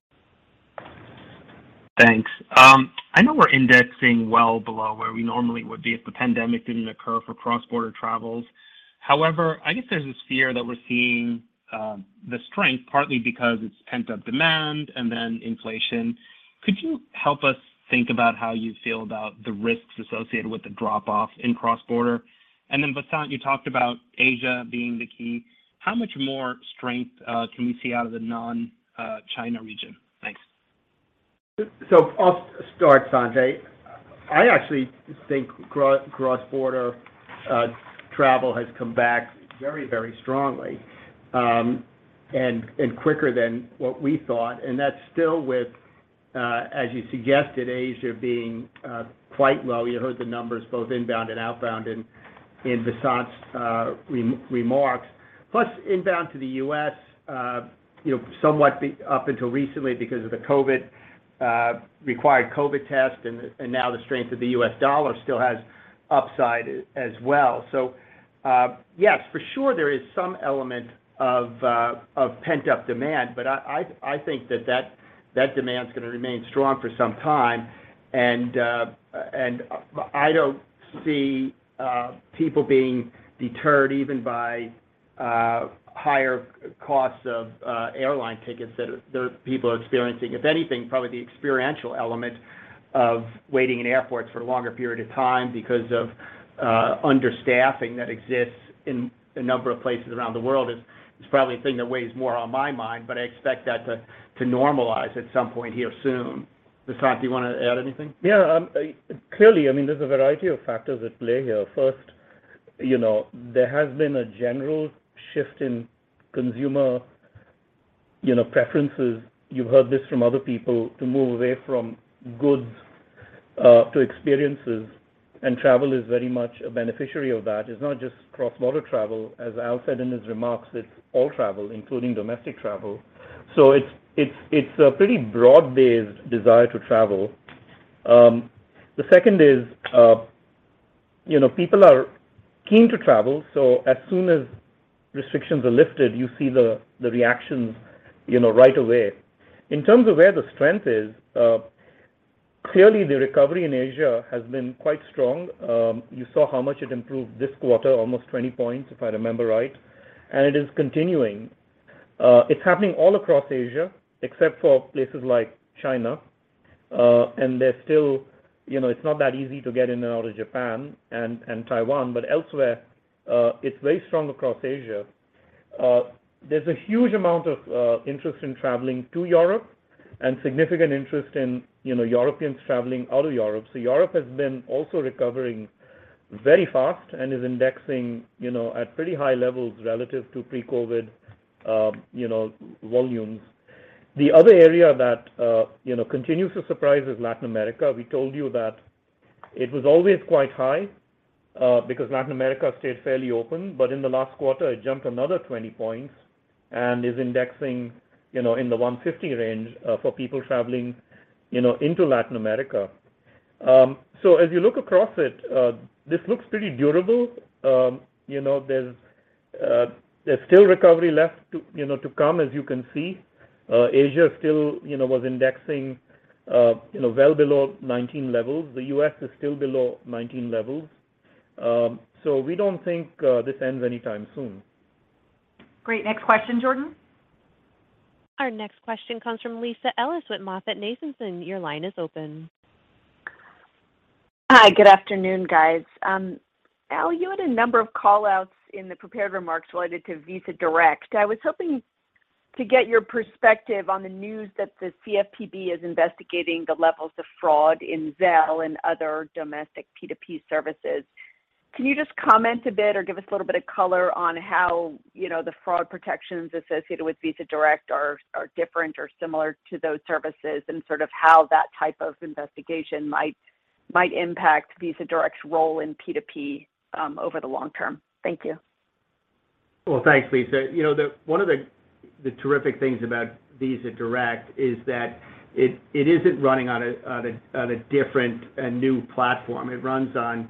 Thanks. I know we're indexing well below where we normally would be if the pandemic didn't occur for cross-border travels. However, I guess there's this fear that we're seeing the strength partly because it's pent-up demand and then inflation. Could you help us think about how you feel about the risks associated with the drop-off in cross-border? Vasant, you talked about Asia being the key. How much more strength can we see out of the non-China region? Thanks. I'll start, Sanjay. I actually think cross-border travel has come back very, very strongly, and quicker than what we thought, and that's still with, as you suggested, Asia being quite low. You heard the numbers both inbound and outbound in Vasant's remarks. Plus inbound to the U.S., you know, somewhat up until recently because of the COVID required COVID test and now the strength of the U.S. dollar still has upside as well. Yes, for sure there is some element of pent-up demand, but I think that demand is going to remain strong for some time. I don't see people being deterred even by higher costs of airline tickets that people are experiencing. If anything, probably the experiential element of waiting in airports for a longer period of time because of understaffing that exists in a number of places around the world is probably a thing that weighs more on my mind, but I expect that to normalize at some point here soon. Vasant, do you want to add anything? Yeah, clearly, I mean, there's a variety of factors at play here. First, you know, there has been a general shift in consumer, you know, preferences, you've heard this from other people, to move away from goods, to experiences, and travel is very much a beneficiary of that. It's not just cross-border travel, as Al said in his remarks, it's all travel, including domestic travel. It's a pretty broad-based desire to travel. The second is, you know, people are keen to travel. As soon as restrictions are lifted, you see the reactions, you know, right away. In terms of where the strength is, clearly the recovery in Asia has been quite strong. You saw how much it improved this quarter, almost 20 points, if I remember right, and it is continuing. It's happening all across Asia, except for places like China, and they're still, you know, it's not that easy to get in and out of Japan and Taiwan, but elsewhere, it's very strong across Asia. There's a huge amount of interest in traveling to Europe and significant interest in, you know, Europeans traveling out of Europe. Europe has been also recovering very fast and is indexing, you know, at pretty high levels relative to pre-COVID volumes. The other area that, you know, continues to surprise is Latin America. We told you that it was always quite high, because Latin America stayed fairly open. In the last quarter, it jumped another 20 points and is indexing, you know, in the 150 range, for people traveling, you know, into Latin America. As you look across it, this looks pretty durable. You know, there's still recovery left to come, as you can see. Asia still, you know, was indexing well below 2019 levels. The U.S. is still below 2019 levels. We don't think this ends anytime soon. Great. Next question, Jordan. Our next question comes from Lisa Ellis with MoffettNathanson. Your line is open. Hi, good afternoon, guys. Al, you had a number of call-outs in the prepared remarks related to Visa Direct. I was hoping to get your perspective on the news that the CFPB is investigating the levels of fraud in Zelle and other domestic P2P services. Can you just comment a bit or give us a little bit of color on how, you know, the fraud protections associated with Visa Direct are different or similar to those services and sort of how that type of investigation might impact Visa Direct's role in P2P, over the long term? Thank you. Well, thanks, Lisa. You know, one of the terrific things about Visa Direct is that it isn't running on a different and new platform. It runs on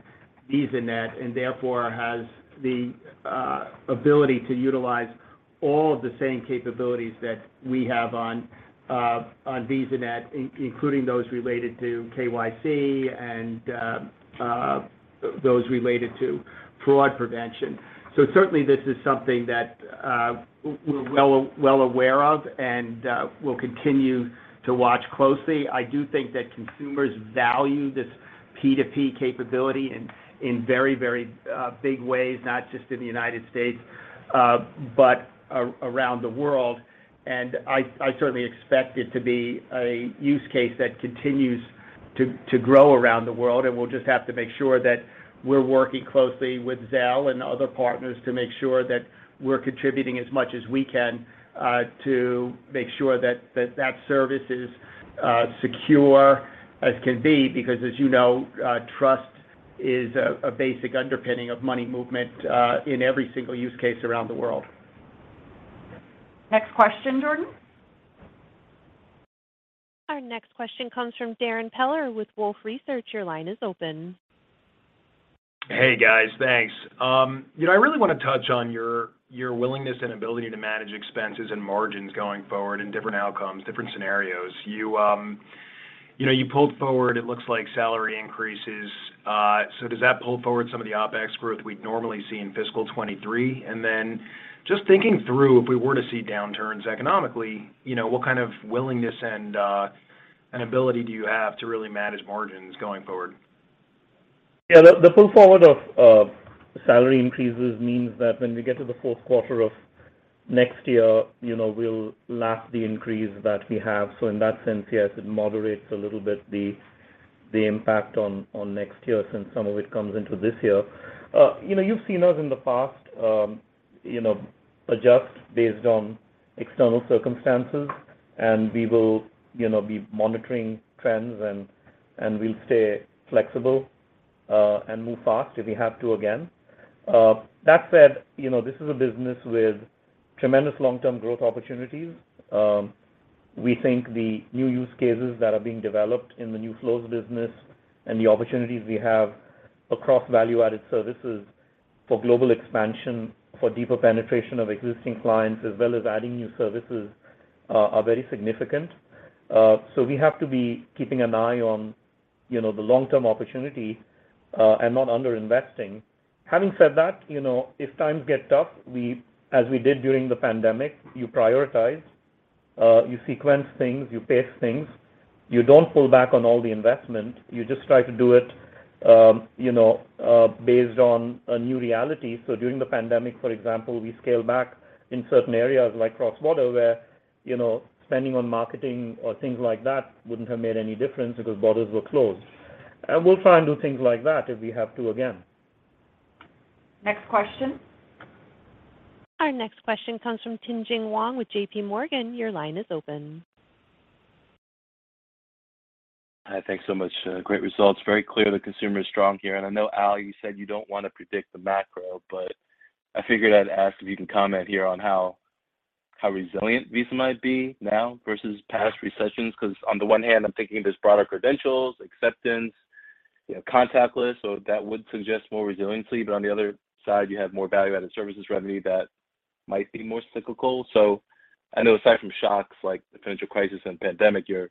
VisaNet and therefore has the ability to utilize all of the same capabilities that we have on VisaNet, including those related to KYC and those related to fraud prevention. Certainly, this is something that we're well aware of and we'll continue to watch closely. I do think that consumers value this P2P capability in very, very big ways, not just in the United States, but around the world. I certainly expect it to be a use case that continues to grow around the world. We'll just have to make sure that we're working closely with Zelle and other partners to make sure that we're contributing as much as we can, to make sure that that service is secure as can be, because as you know, trust is a basic underpinning of money movement in every single use case around the world. Next question, Jordan. Our next question comes from Darrin Peller with Wolfe Research. Your line is open. Hey, guys. Thanks. You know, I really wanna touch on your willingness and ability to manage expenses and margins going forward in different outcomes, different scenarios. You know, you pulled forward, it looks like salary increases. So does that pull forward some of the OpEx growth we'd normally see in fiscal 2023? Then just thinking through, if we were to see downturns economically, you know, what kind of willingness and ability do you have to really manage margins going forward? Yeah. The pull forward of salary increases means that when we get to the fourth quarter of next year, you know, we'll lap the increase that we have. In that sense, yes, it moderates a little bit the impact on next year since some of it comes into this year. You know, you've seen us in the past, you know, adjust based on external circumstances, and we will, you know, be monitoring trends and we'll stay flexible, and move fast if we have to again. That said, you know, this is a business with tremendous long-term growth opportunities. We think the new use cases that are being developed in the new flows business and the opportunities we have across value-added services for global expansion, for deeper penetration of existing clients as well as adding new services are very significant. We have to be keeping an eye on, you know, the long-term opportunity, and not under-investing. Having said that, you know, if times get tough, we, as we did during the pandemic, you prioritize, you sequence things, you pace things. You don't pull back on all the investment. You just try to do it, you know, based on a new reality. During the pandemic, for example, we scaled back in certain areas like cross-border where, you know, spending on marketing or things like that wouldn't have made any difference because borders were closed. We'll try and do things like that if we have to again. Next question. Our next question comes from Tien-Tsin Huang with J.P. Morgan. Your line is open. Hi. Thanks so much. Great results. Very clear the consumer is strong here. I know, Al, you said you don't wanna predict the macro, but I figured I'd ask if you can comment here on how resilient Visa might be now versus past recessions. Because on the one hand, I'm thinking there's broader credentials, acceptance, you know, contactless, so that would suggest more resiliency. On the other side, you have more value-added services revenue that might be more cyclical. I know aside from shocks like the financial crisis and pandemic, your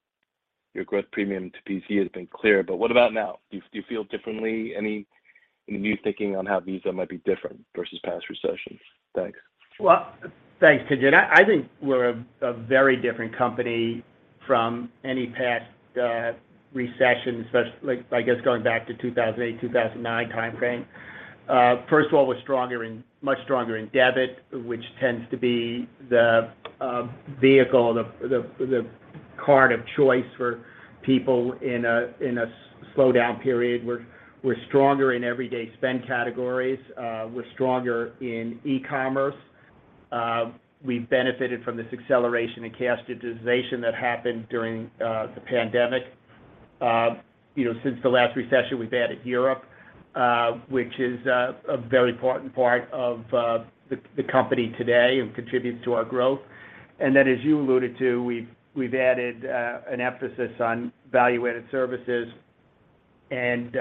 growth premium to PC has been clear. What about now? Do you feel differently? Any new thinking on how Visa might be different versus past recessions? Thanks. Well, thanks, Tien-Tsin Huang. I think we're a very different company from any past recession, like, I guess, going back to 2008, 2009 timeframe. First of all, we're much stronger in debit, which tends to be the vehicle, the card of choice for people in a slowdown period. We're stronger in everyday spend categories. We're stronger in e-commerce. We benefited from this acceleration in cash digitization that happened during the pandemic. You know, since the last recession, we've added Europe, which is a very important part of the company today and contributes to our growth. As you alluded to, we've added an emphasis on value-added services and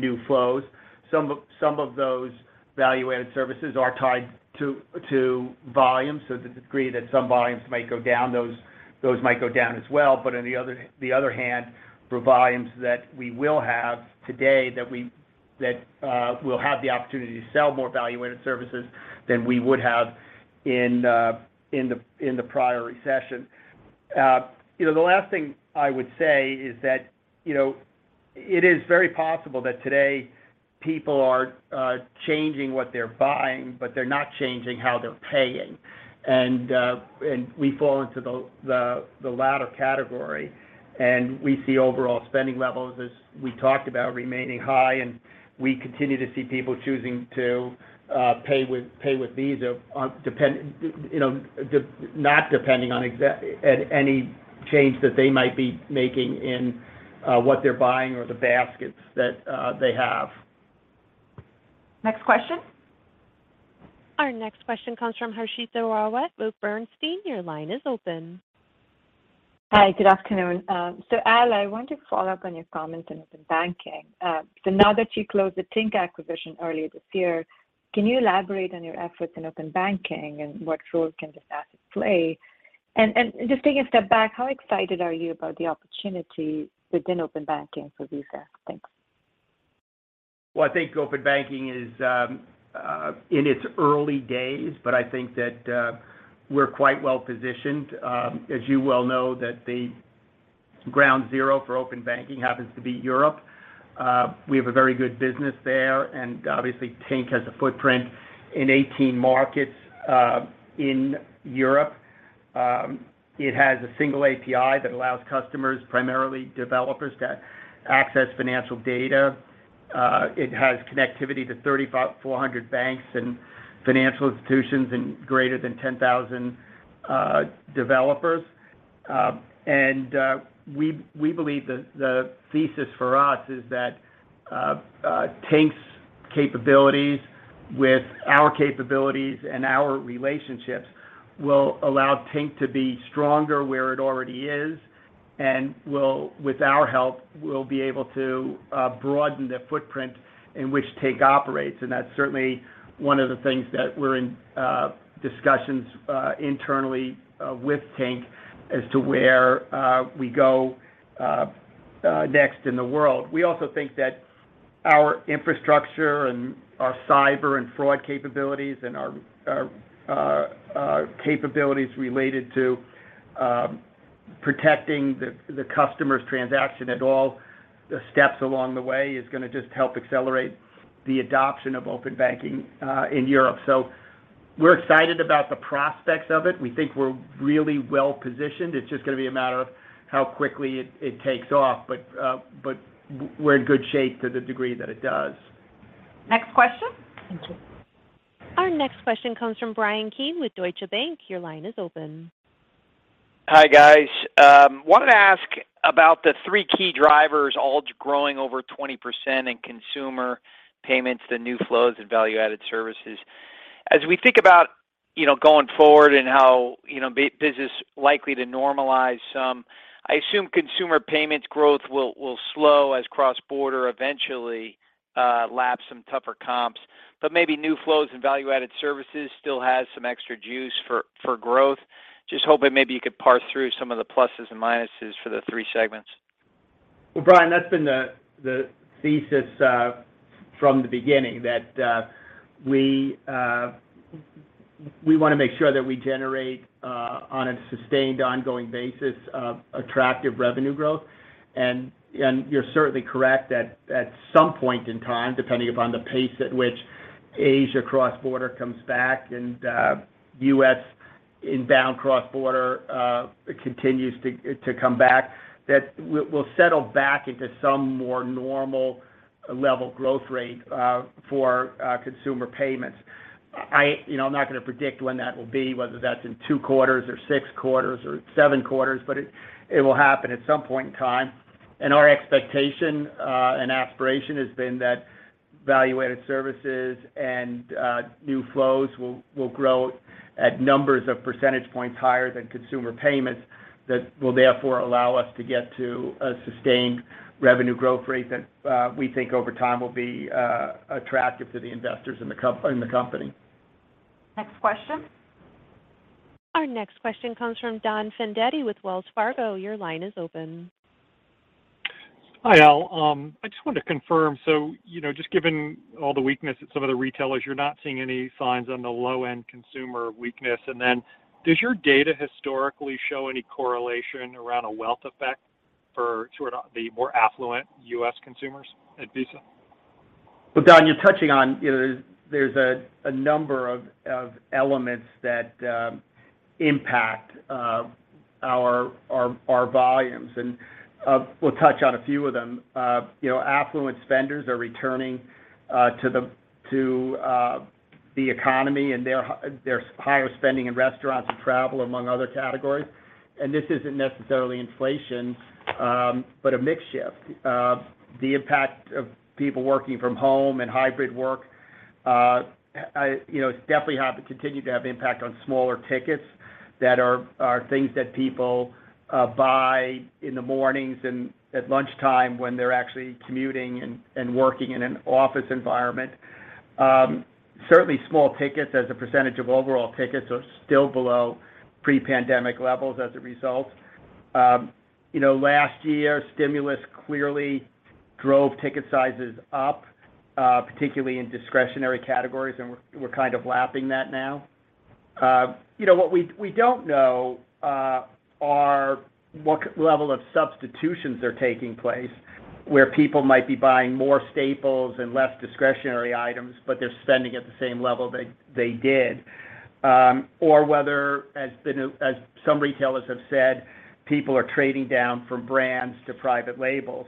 new flows. Some of those value-added services are tied to volume. To the degree that some volumes might go down, those might go down as well. On the other hand, for volumes that we will have today that we'll have the opportunity to sell more value-added services than we would have in the prior recession. You know, the last thing I would say is that, you know, it is very possible that today people are changing what they're buying, but they're not changing how they're paying. And we fall into the latter category, and we see overall spending levels, as we talked about, remaining high. We continue to see people choosing to pay with Visa, independent, you know, not depending on any change that they might be making in what they're buying or the baskets that they have. Next question. Our next question comes from Harshita Rawat with Bernstein. Your line is open. Hi. Good afternoon. Al, I want to follow up on your comment in open banking. Now that you closed the Tink acquisition earlier this year, can you elaborate on your efforts in open banking and what role can this asset play? Just taking a step back, how excited are you about the opportunity within open banking for Visa? Thanks. Well, I think open banking is in its early days, but I think that we're quite well-positioned. As you well know, the ground zero for open banking happens to be Europe. We have a very good business there, and obviously, Tink has a footprint in 18 markets in Europe. It has a single API that allows customers, primarily developers, to access financial data. It has connectivity to 35,400 banks and financial institutions and greater than 10,000 developers. We believe the thesis for us is that Tink's capabilities with our capabilities and our relationships will allow Tink to be stronger where it already is and will, with our help, be able to broaden the footprint in which Tink operates. That's certainly one of the things that we're in discussions internally with Tink as to where we go next in the world. We also think that our infrastructure and our cyber and fraud capabilities and our capabilities related to protecting the customer's transaction at all steps along the way is gonna just help accelerate the adoption of open banking in Europe. We're excited about the prospects of it. We think we're really well-positioned. It's just gonna be a matter of how quickly it takes off. We're in good shape to the degree that it does. Next question. Thank you. Our next question comes from Bryan Keane with Deutsche Bank. Your line is open. Hi, guys. Wanted to ask about the three key drivers all growing over 20% in consumer payments, the new flows and value-added services. As we think about, you know, going forward and how, you know, business likely to normalize some, I assume consumer payments growth will slow as cross-border eventually laps some tougher comps. Maybe new flows and value-added services still has some extra juice for growth. Just hoping maybe you could parse through some of the pluses and minuses for the three segments. Well, Bryan, that's been the thesis from the beginning, that we wanna make sure that we generate on a sustained ongoing basis attractive revenue growth. You're certainly correct that at some point in time, depending upon the pace at which Asia cross-border comes back and U.S. inbound cross-border continues to come back, that we'll settle back into some more normal level growth rate for consumer payments. You know, I'm not gonna predict when that will be, whether that's in two quarters or six quarters or seven quarters, but it will happen at some point in time. Our expectation and aspiration has been that value-added services and new flows will grow at numbers of percentage points higher than consumer payments that will therefore allow us to get to a sustained revenue growth rate that we think over time will be attractive to the investors in the company. Next question. Our next question comes from Don Fandetti with Wells Fargo. Your line is open. Hi, Al. I just wanted to confirm, so, you know, just given all the weakness at some of the retailers, you're not seeing any signs of the low-end consumer weakness. Does your data historically show any correlation around a wealth effect for sort of the more affluent U.S. consumers at Visa? Well, Don, you're touching on, you know, there's a number of elements that impact our volumes, and we'll touch on a few of them. You know, affluent spenders are returning to the economy, and they're higher spending in restaurants and travel among other categories. This isn't necessarily inflation, but a mix shift. The impact of people working from home and hybrid work, you know, it's definitely continued to have impact on smaller tickets that are things that people buy in the mornings and at lunchtime when they're actually commuting and working in an office environment. Certainly small tickets as a percentage of overall tickets are still below pre-pandemic levels as a result. You know, last year stimulus clearly drove ticket sizes up, particularly in discretionary categories, and we're kind of lapping that now. You know, what we don't know are what level of substitutions are taking place, where people might be buying more staples and less discretionary items, but they're spending at the same level they did. Or whether, as some retailers have said, people are trading down from brands to private labels.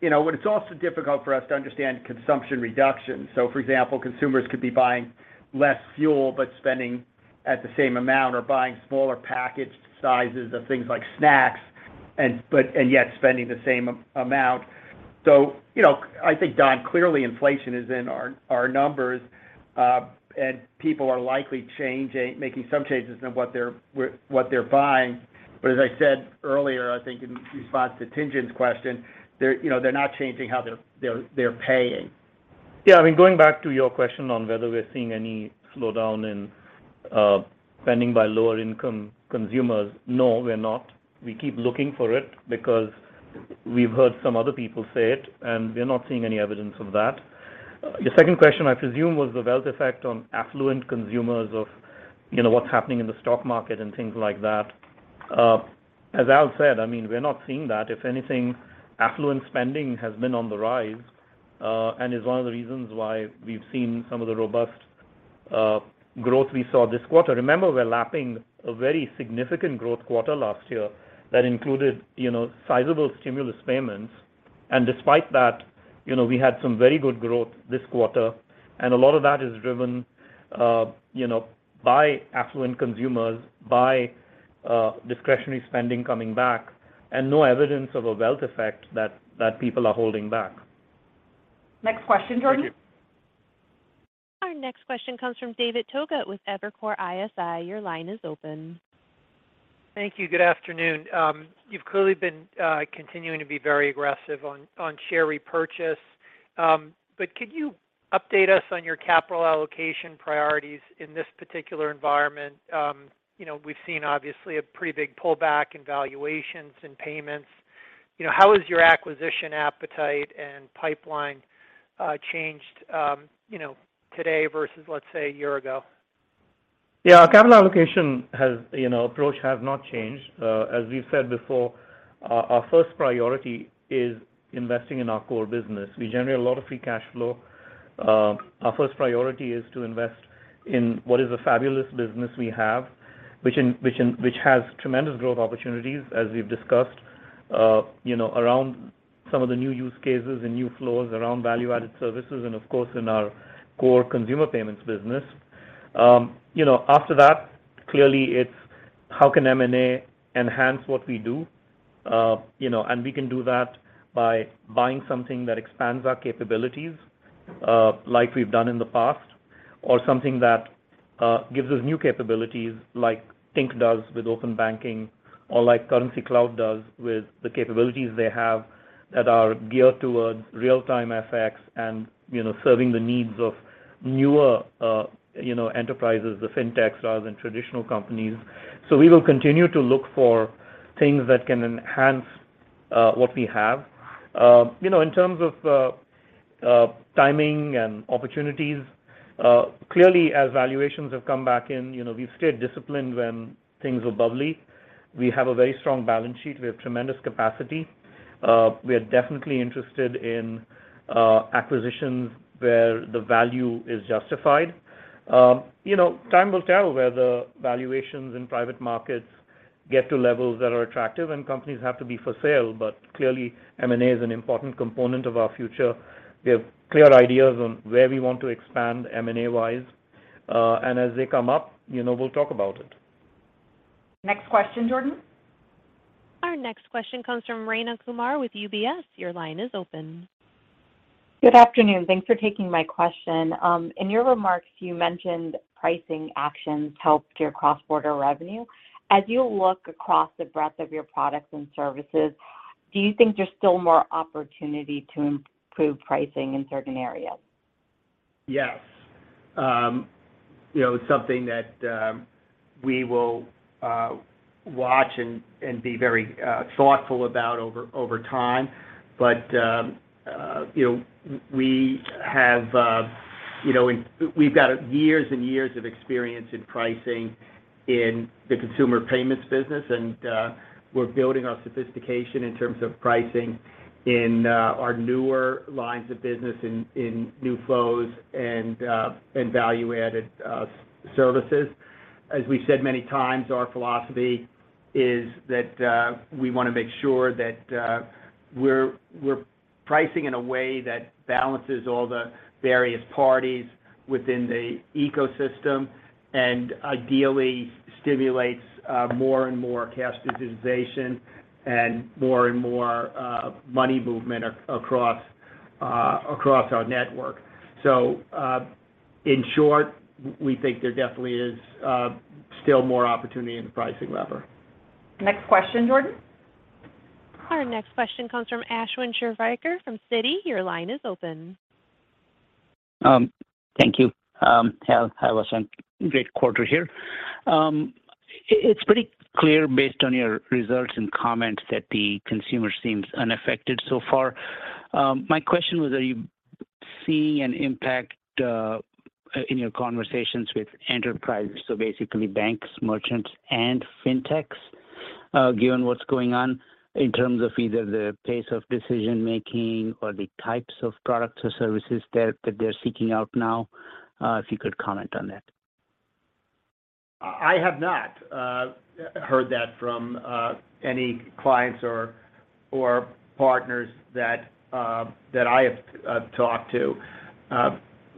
You know what is also difficult for us to understand consumption reduction. For example, consumers could be buying less fuel, but spending at the same amount or buying smaller packaged sizes of things like snacks and yet spending the same amount. You know, I think, Don, clearly inflation is in our numbers, and people are likely changing, making some changes in what they're buying. As I said earlier, I think in response to Tien-Tsin Huang's question, you know, they're not changing how they're paying. Yeah, I mean, going back to your question on whether we're seeing any slowdown in spending by lower income consumers, no, we're not. We keep looking for it because we've heard some other people say it, and we're not seeing any evidence of that. Your second question, I presume, was the wealth effect on affluent consumers of, you know, what's happening in the stock market and things like that. As Al said, I mean, we're not seeing that. If anything, affluent spending has been on the rise, and is one of the reasons why we've seen some of the robust growth we saw this quarter. Remember, we're lapping a very significant growth quarter last year that included, you know, sizable stimulus payments. Despite that, you know, we had some very good growth this quarter, and a lot of that is driven, you know, by affluent consumers, by discretionary spending coming back, and no evidence of a wealth effect that people are holding back. Next question, Jordan. Our next question comes from David Togut with Evercore ISI. Your line is open. Thank you. Good afternoon. You've clearly been continuing to be very aggressive on share repurchase. Could you update us on your capital allocation priorities in this particular environment? You know, we've seen obviously a pretty big pullback in valuations and payments. You know, how has your acquisition appetite and pipeline changed today versus, let's say, a year ago? Our capital allocation approach has not changed. As we've said before, our first priority is investing in our core business. We generate a lot of free cash flow. Our first priority is to invest in what is a fabulous business we have, which has tremendous growth opportunities as we've discussed, around some of the new use cases and new flows around value-added services and, of course, in our core consumer payments business. After that, clearly it's how can M&A enhance what we do? You know, we can do that by buying something that expands our capabilities, like we've done in the past, or something that gives us new capabilities like Tink does with open banking or like Currencycloud does with the capabilities they have that are geared towards real-time FX and, you know, serving the needs of newer enterprises, the fintechs rather than traditional companies. We will continue to look for things that can enhance what we have. You know, in terms of timing and opportunities, clearly as valuations have come back in, you know, we've stayed disciplined when things were bubbly. We have a very strong balance sheet. We have tremendous capacity. We are definitely interested in acquisitions where the value is justified. You know, time will tell whether valuations in private markets get to levels that are attractive and companies have to be for sale. Clearly, M&A is an important component of our future. We have clear ideas on where we want to expand M&A-wise. As they come up, you know, we'll talk about it. Next question, Jordan. Our next question comes from Rayna Kumar with UBS. Your line is open. Good afternoon. Thanks for taking my question. In your remarks, you mentioned pricing actions helped your cross-border revenue. As you look across the breadth of your products and services, do you think there's still more opportunity to improve pricing in certain areas? Yes. You know, it's something that we will watch and be very thoughtful about over time. You know, we've got years and years of experience in pricing in the consumer payments business and we're building our sophistication in terms of pricing in our newer lines of business in new flows and value-added services. As we've said many times, our philosophy is that we wanna make sure that we're pricing in a way that balances all the various parties within the ecosystem and ideally stimulates more and more cash digitization and more and more money movement across our network. In short, we think there definitely is still more opportunity in the pricing lever. Next question, Jordan. Our next question comes from Ashwin Shirvaikar from Citi. Your line is open. Thank you. Al, that was a great quarter here. It's pretty clear based on your results and comments that the consumer seems unaffected so far. My question was, are you seeing an impact in your conversations with enterprises, so basically banks, merchants, and Fintechs, given what's going on in terms of either the pace of decision-making or the types of products or services they're seeking out now? If you could comment on that. I have not heard that from any clients or partners that I have talked to.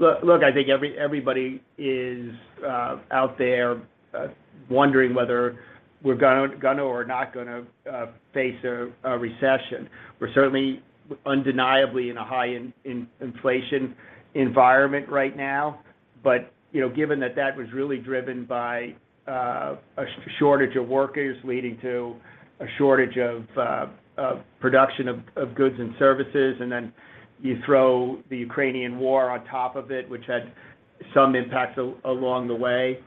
Look, I think everybody is out there wondering whether we're gonna or not gonna face a recession. We're certainly undeniably in a high inflation environment right now. You know, given that that was really driven by a shortage of workers leading to a shortage of production of goods and services, and then you throw the Ukrainian war on top of it, which had some impacts along the way,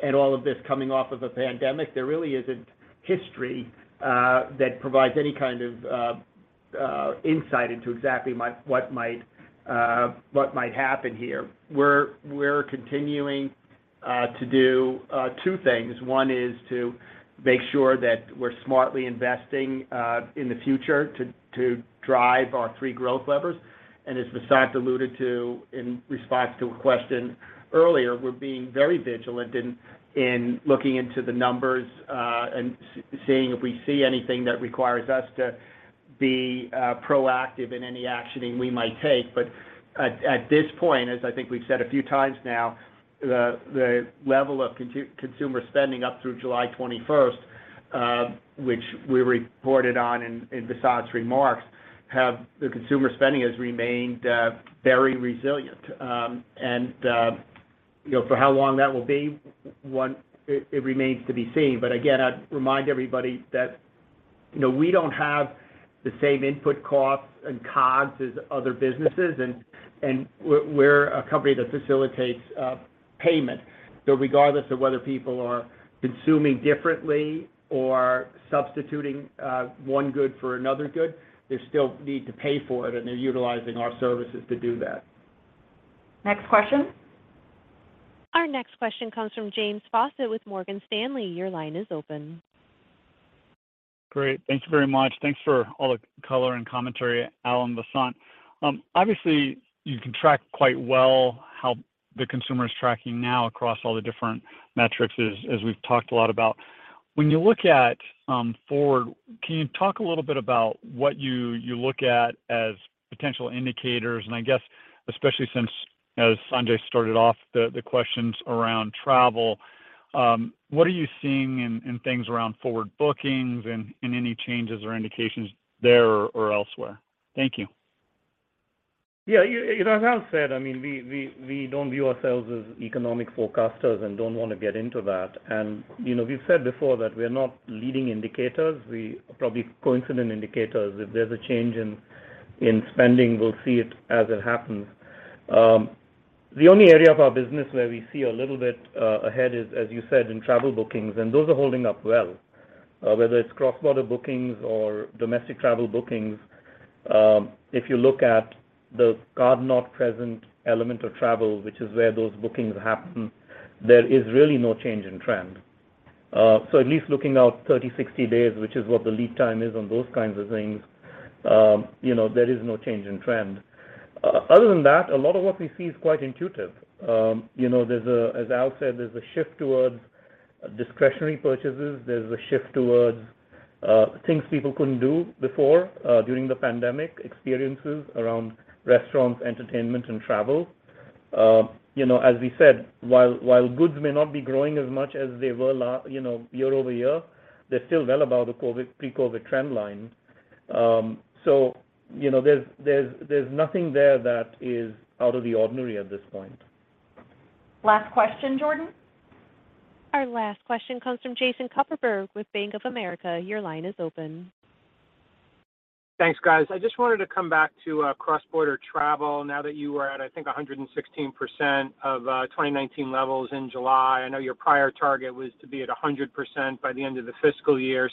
and all of this coming off of a pandemic, there really isn't history that provides any kind of insight into exactly what might happen here. We're continuing- To do two things. One is to make sure that we're smartly investing in the future to drive our three growth levers. As Vasant alluded to in response to a question earlier, we're being very vigilant in looking into the numbers and seeing if we see anything that requires us to be proactive in any actioning we might take. At this point, as I think we've said a few times now, the level of consumer spending up through July twenty-first, which we reported on in Vasant's remarks, has remained very resilient. You know, for how long that will be, it remains to be seen. I'd remind everybody that, you know, we don't have the same input costs and COGS as other businesses and we're a company that facilitates payment. Regardless of whether people are consuming differently or substituting one good for another good, they still need to pay for it, and they're utilizing our services to do that. Next question. Our next question comes from James Faucette with Morgan Stanley. Your line is open. Great. Thank you very much. Thanks for all the color and commentary, Al and Vasant. Obviously, you can track quite well how the consumer is tracking now across all the different metrics as we've talked a lot about. When you look at forward, can you talk a little bit about what you look at as potential indicators? I guess, especially since as Sanjay started off the questions around travel, what are you seeing in things around forward bookings and any changes or indications there or elsewhere? Thank you. Yeah, you know, as Al said, I mean, we don't view ourselves as economic forecasters and don't wanna get into that. You know, we've said before that we're not leading indicators. We are probably coincident indicators. If there's a change in spending, we'll see it as it happens. The only area of our business where we see a little bit ahead is, as you said, in travel bookings, and those are holding up well. Whether it's cross-border bookings or domestic travel bookings, if you look at the card-not-present element of travel, which is where those bookings happen, there is really no change in trend. At least looking out 30, 60 days, which is what the lead time is on those kinds of things, you know, there is no change in trend. Other than that, a lot of what we see is quite intuitive. You know, there's a, as Al said, there's a shift towards discretionary purchases. There's a shift towards things people couldn't do before during the pandemic, experiences around restaurants, entertainment, and travel. You know, as we said, while goods may not be growing as much as they were year over year, they're still well above the COVID, pre-COVID trend line. So, you know, there's nothing there that is out of the ordinary at this point. Last question, Jordan. Our last question comes from Jason Kupferberg with Bank of America. Your line is open. Thanks, guys. I just wanted to come back to cross-border travel now that you are at, I think, 116% of 2019 levels in July. I know your prior target was to be at 100% by the end of the fiscal year.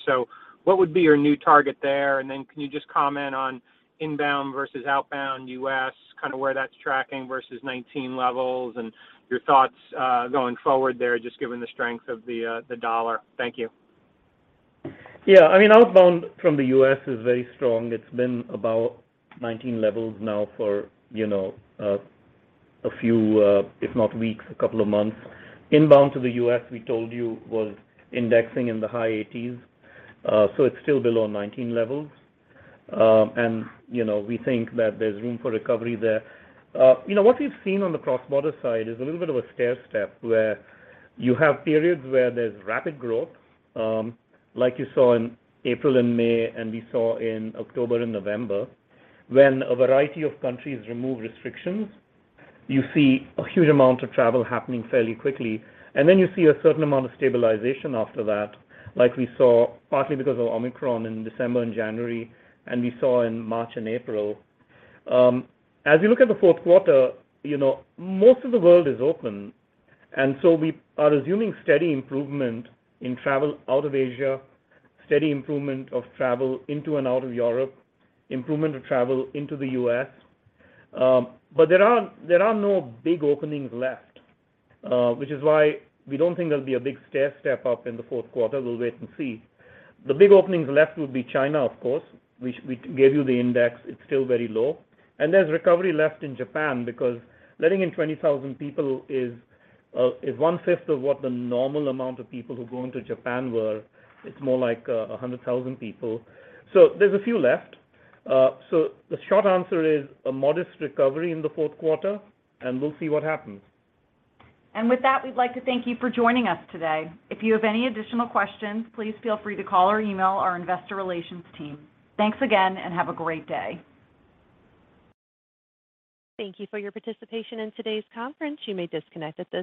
What would be your new target there? And then can you just comment on inbound versus outbound U.S., kinda where that's tracking versus 2019 levels, and your thoughts going forward there, just given the strength of the U.S. dollar? Thank you. Yeah. I mean, outbound from the U.S. is very strong. It's been about 19 levels now for, you know, a few, if not weeks, a couple of months. Inbound to the U.S., we told you, was indexing in the high 80s, so it's still below 19 levels. You know, we think that there's room for recovery there. You know, what we've seen on the cross-border side is a little bit of a stairstep where you have periods where there's rapid growth, like you saw in April and May and we saw in October and November. When a variety of countries remove restrictions, you see a huge amount of travel happening fairly quickly. You see a certain amount of stabilization after that, like we saw partly because of Omicron in December and January and we saw in March and April. As we look at the fourth quarter, you know, most of the world is open. We are assuming steady improvement in travel out of Asia, steady improvement of travel into and out of Europe, improvement of travel into the U.S. There are no big openings left, which is why we don't think there'll be a big stairstep up in the fourth quarter. We'll wait and see. The big openings left would be China, of course. We gave you the index. It's still very low. There's recovery left in Japan because letting in 20,000 people is one-fifth of what the normal amount of people who go into Japan were. It's more like a 100,000 people. There's a few left. The short answer is a modest recovery in the fourth quarter, and we'll see what happens. With that, we'd like to thank you for joining us today. If you have any additional questions, please feel free to call or email our investor relations team. Thanks again, and have a great day. Thank you for your participation in today's conference. You may disconnect at this time.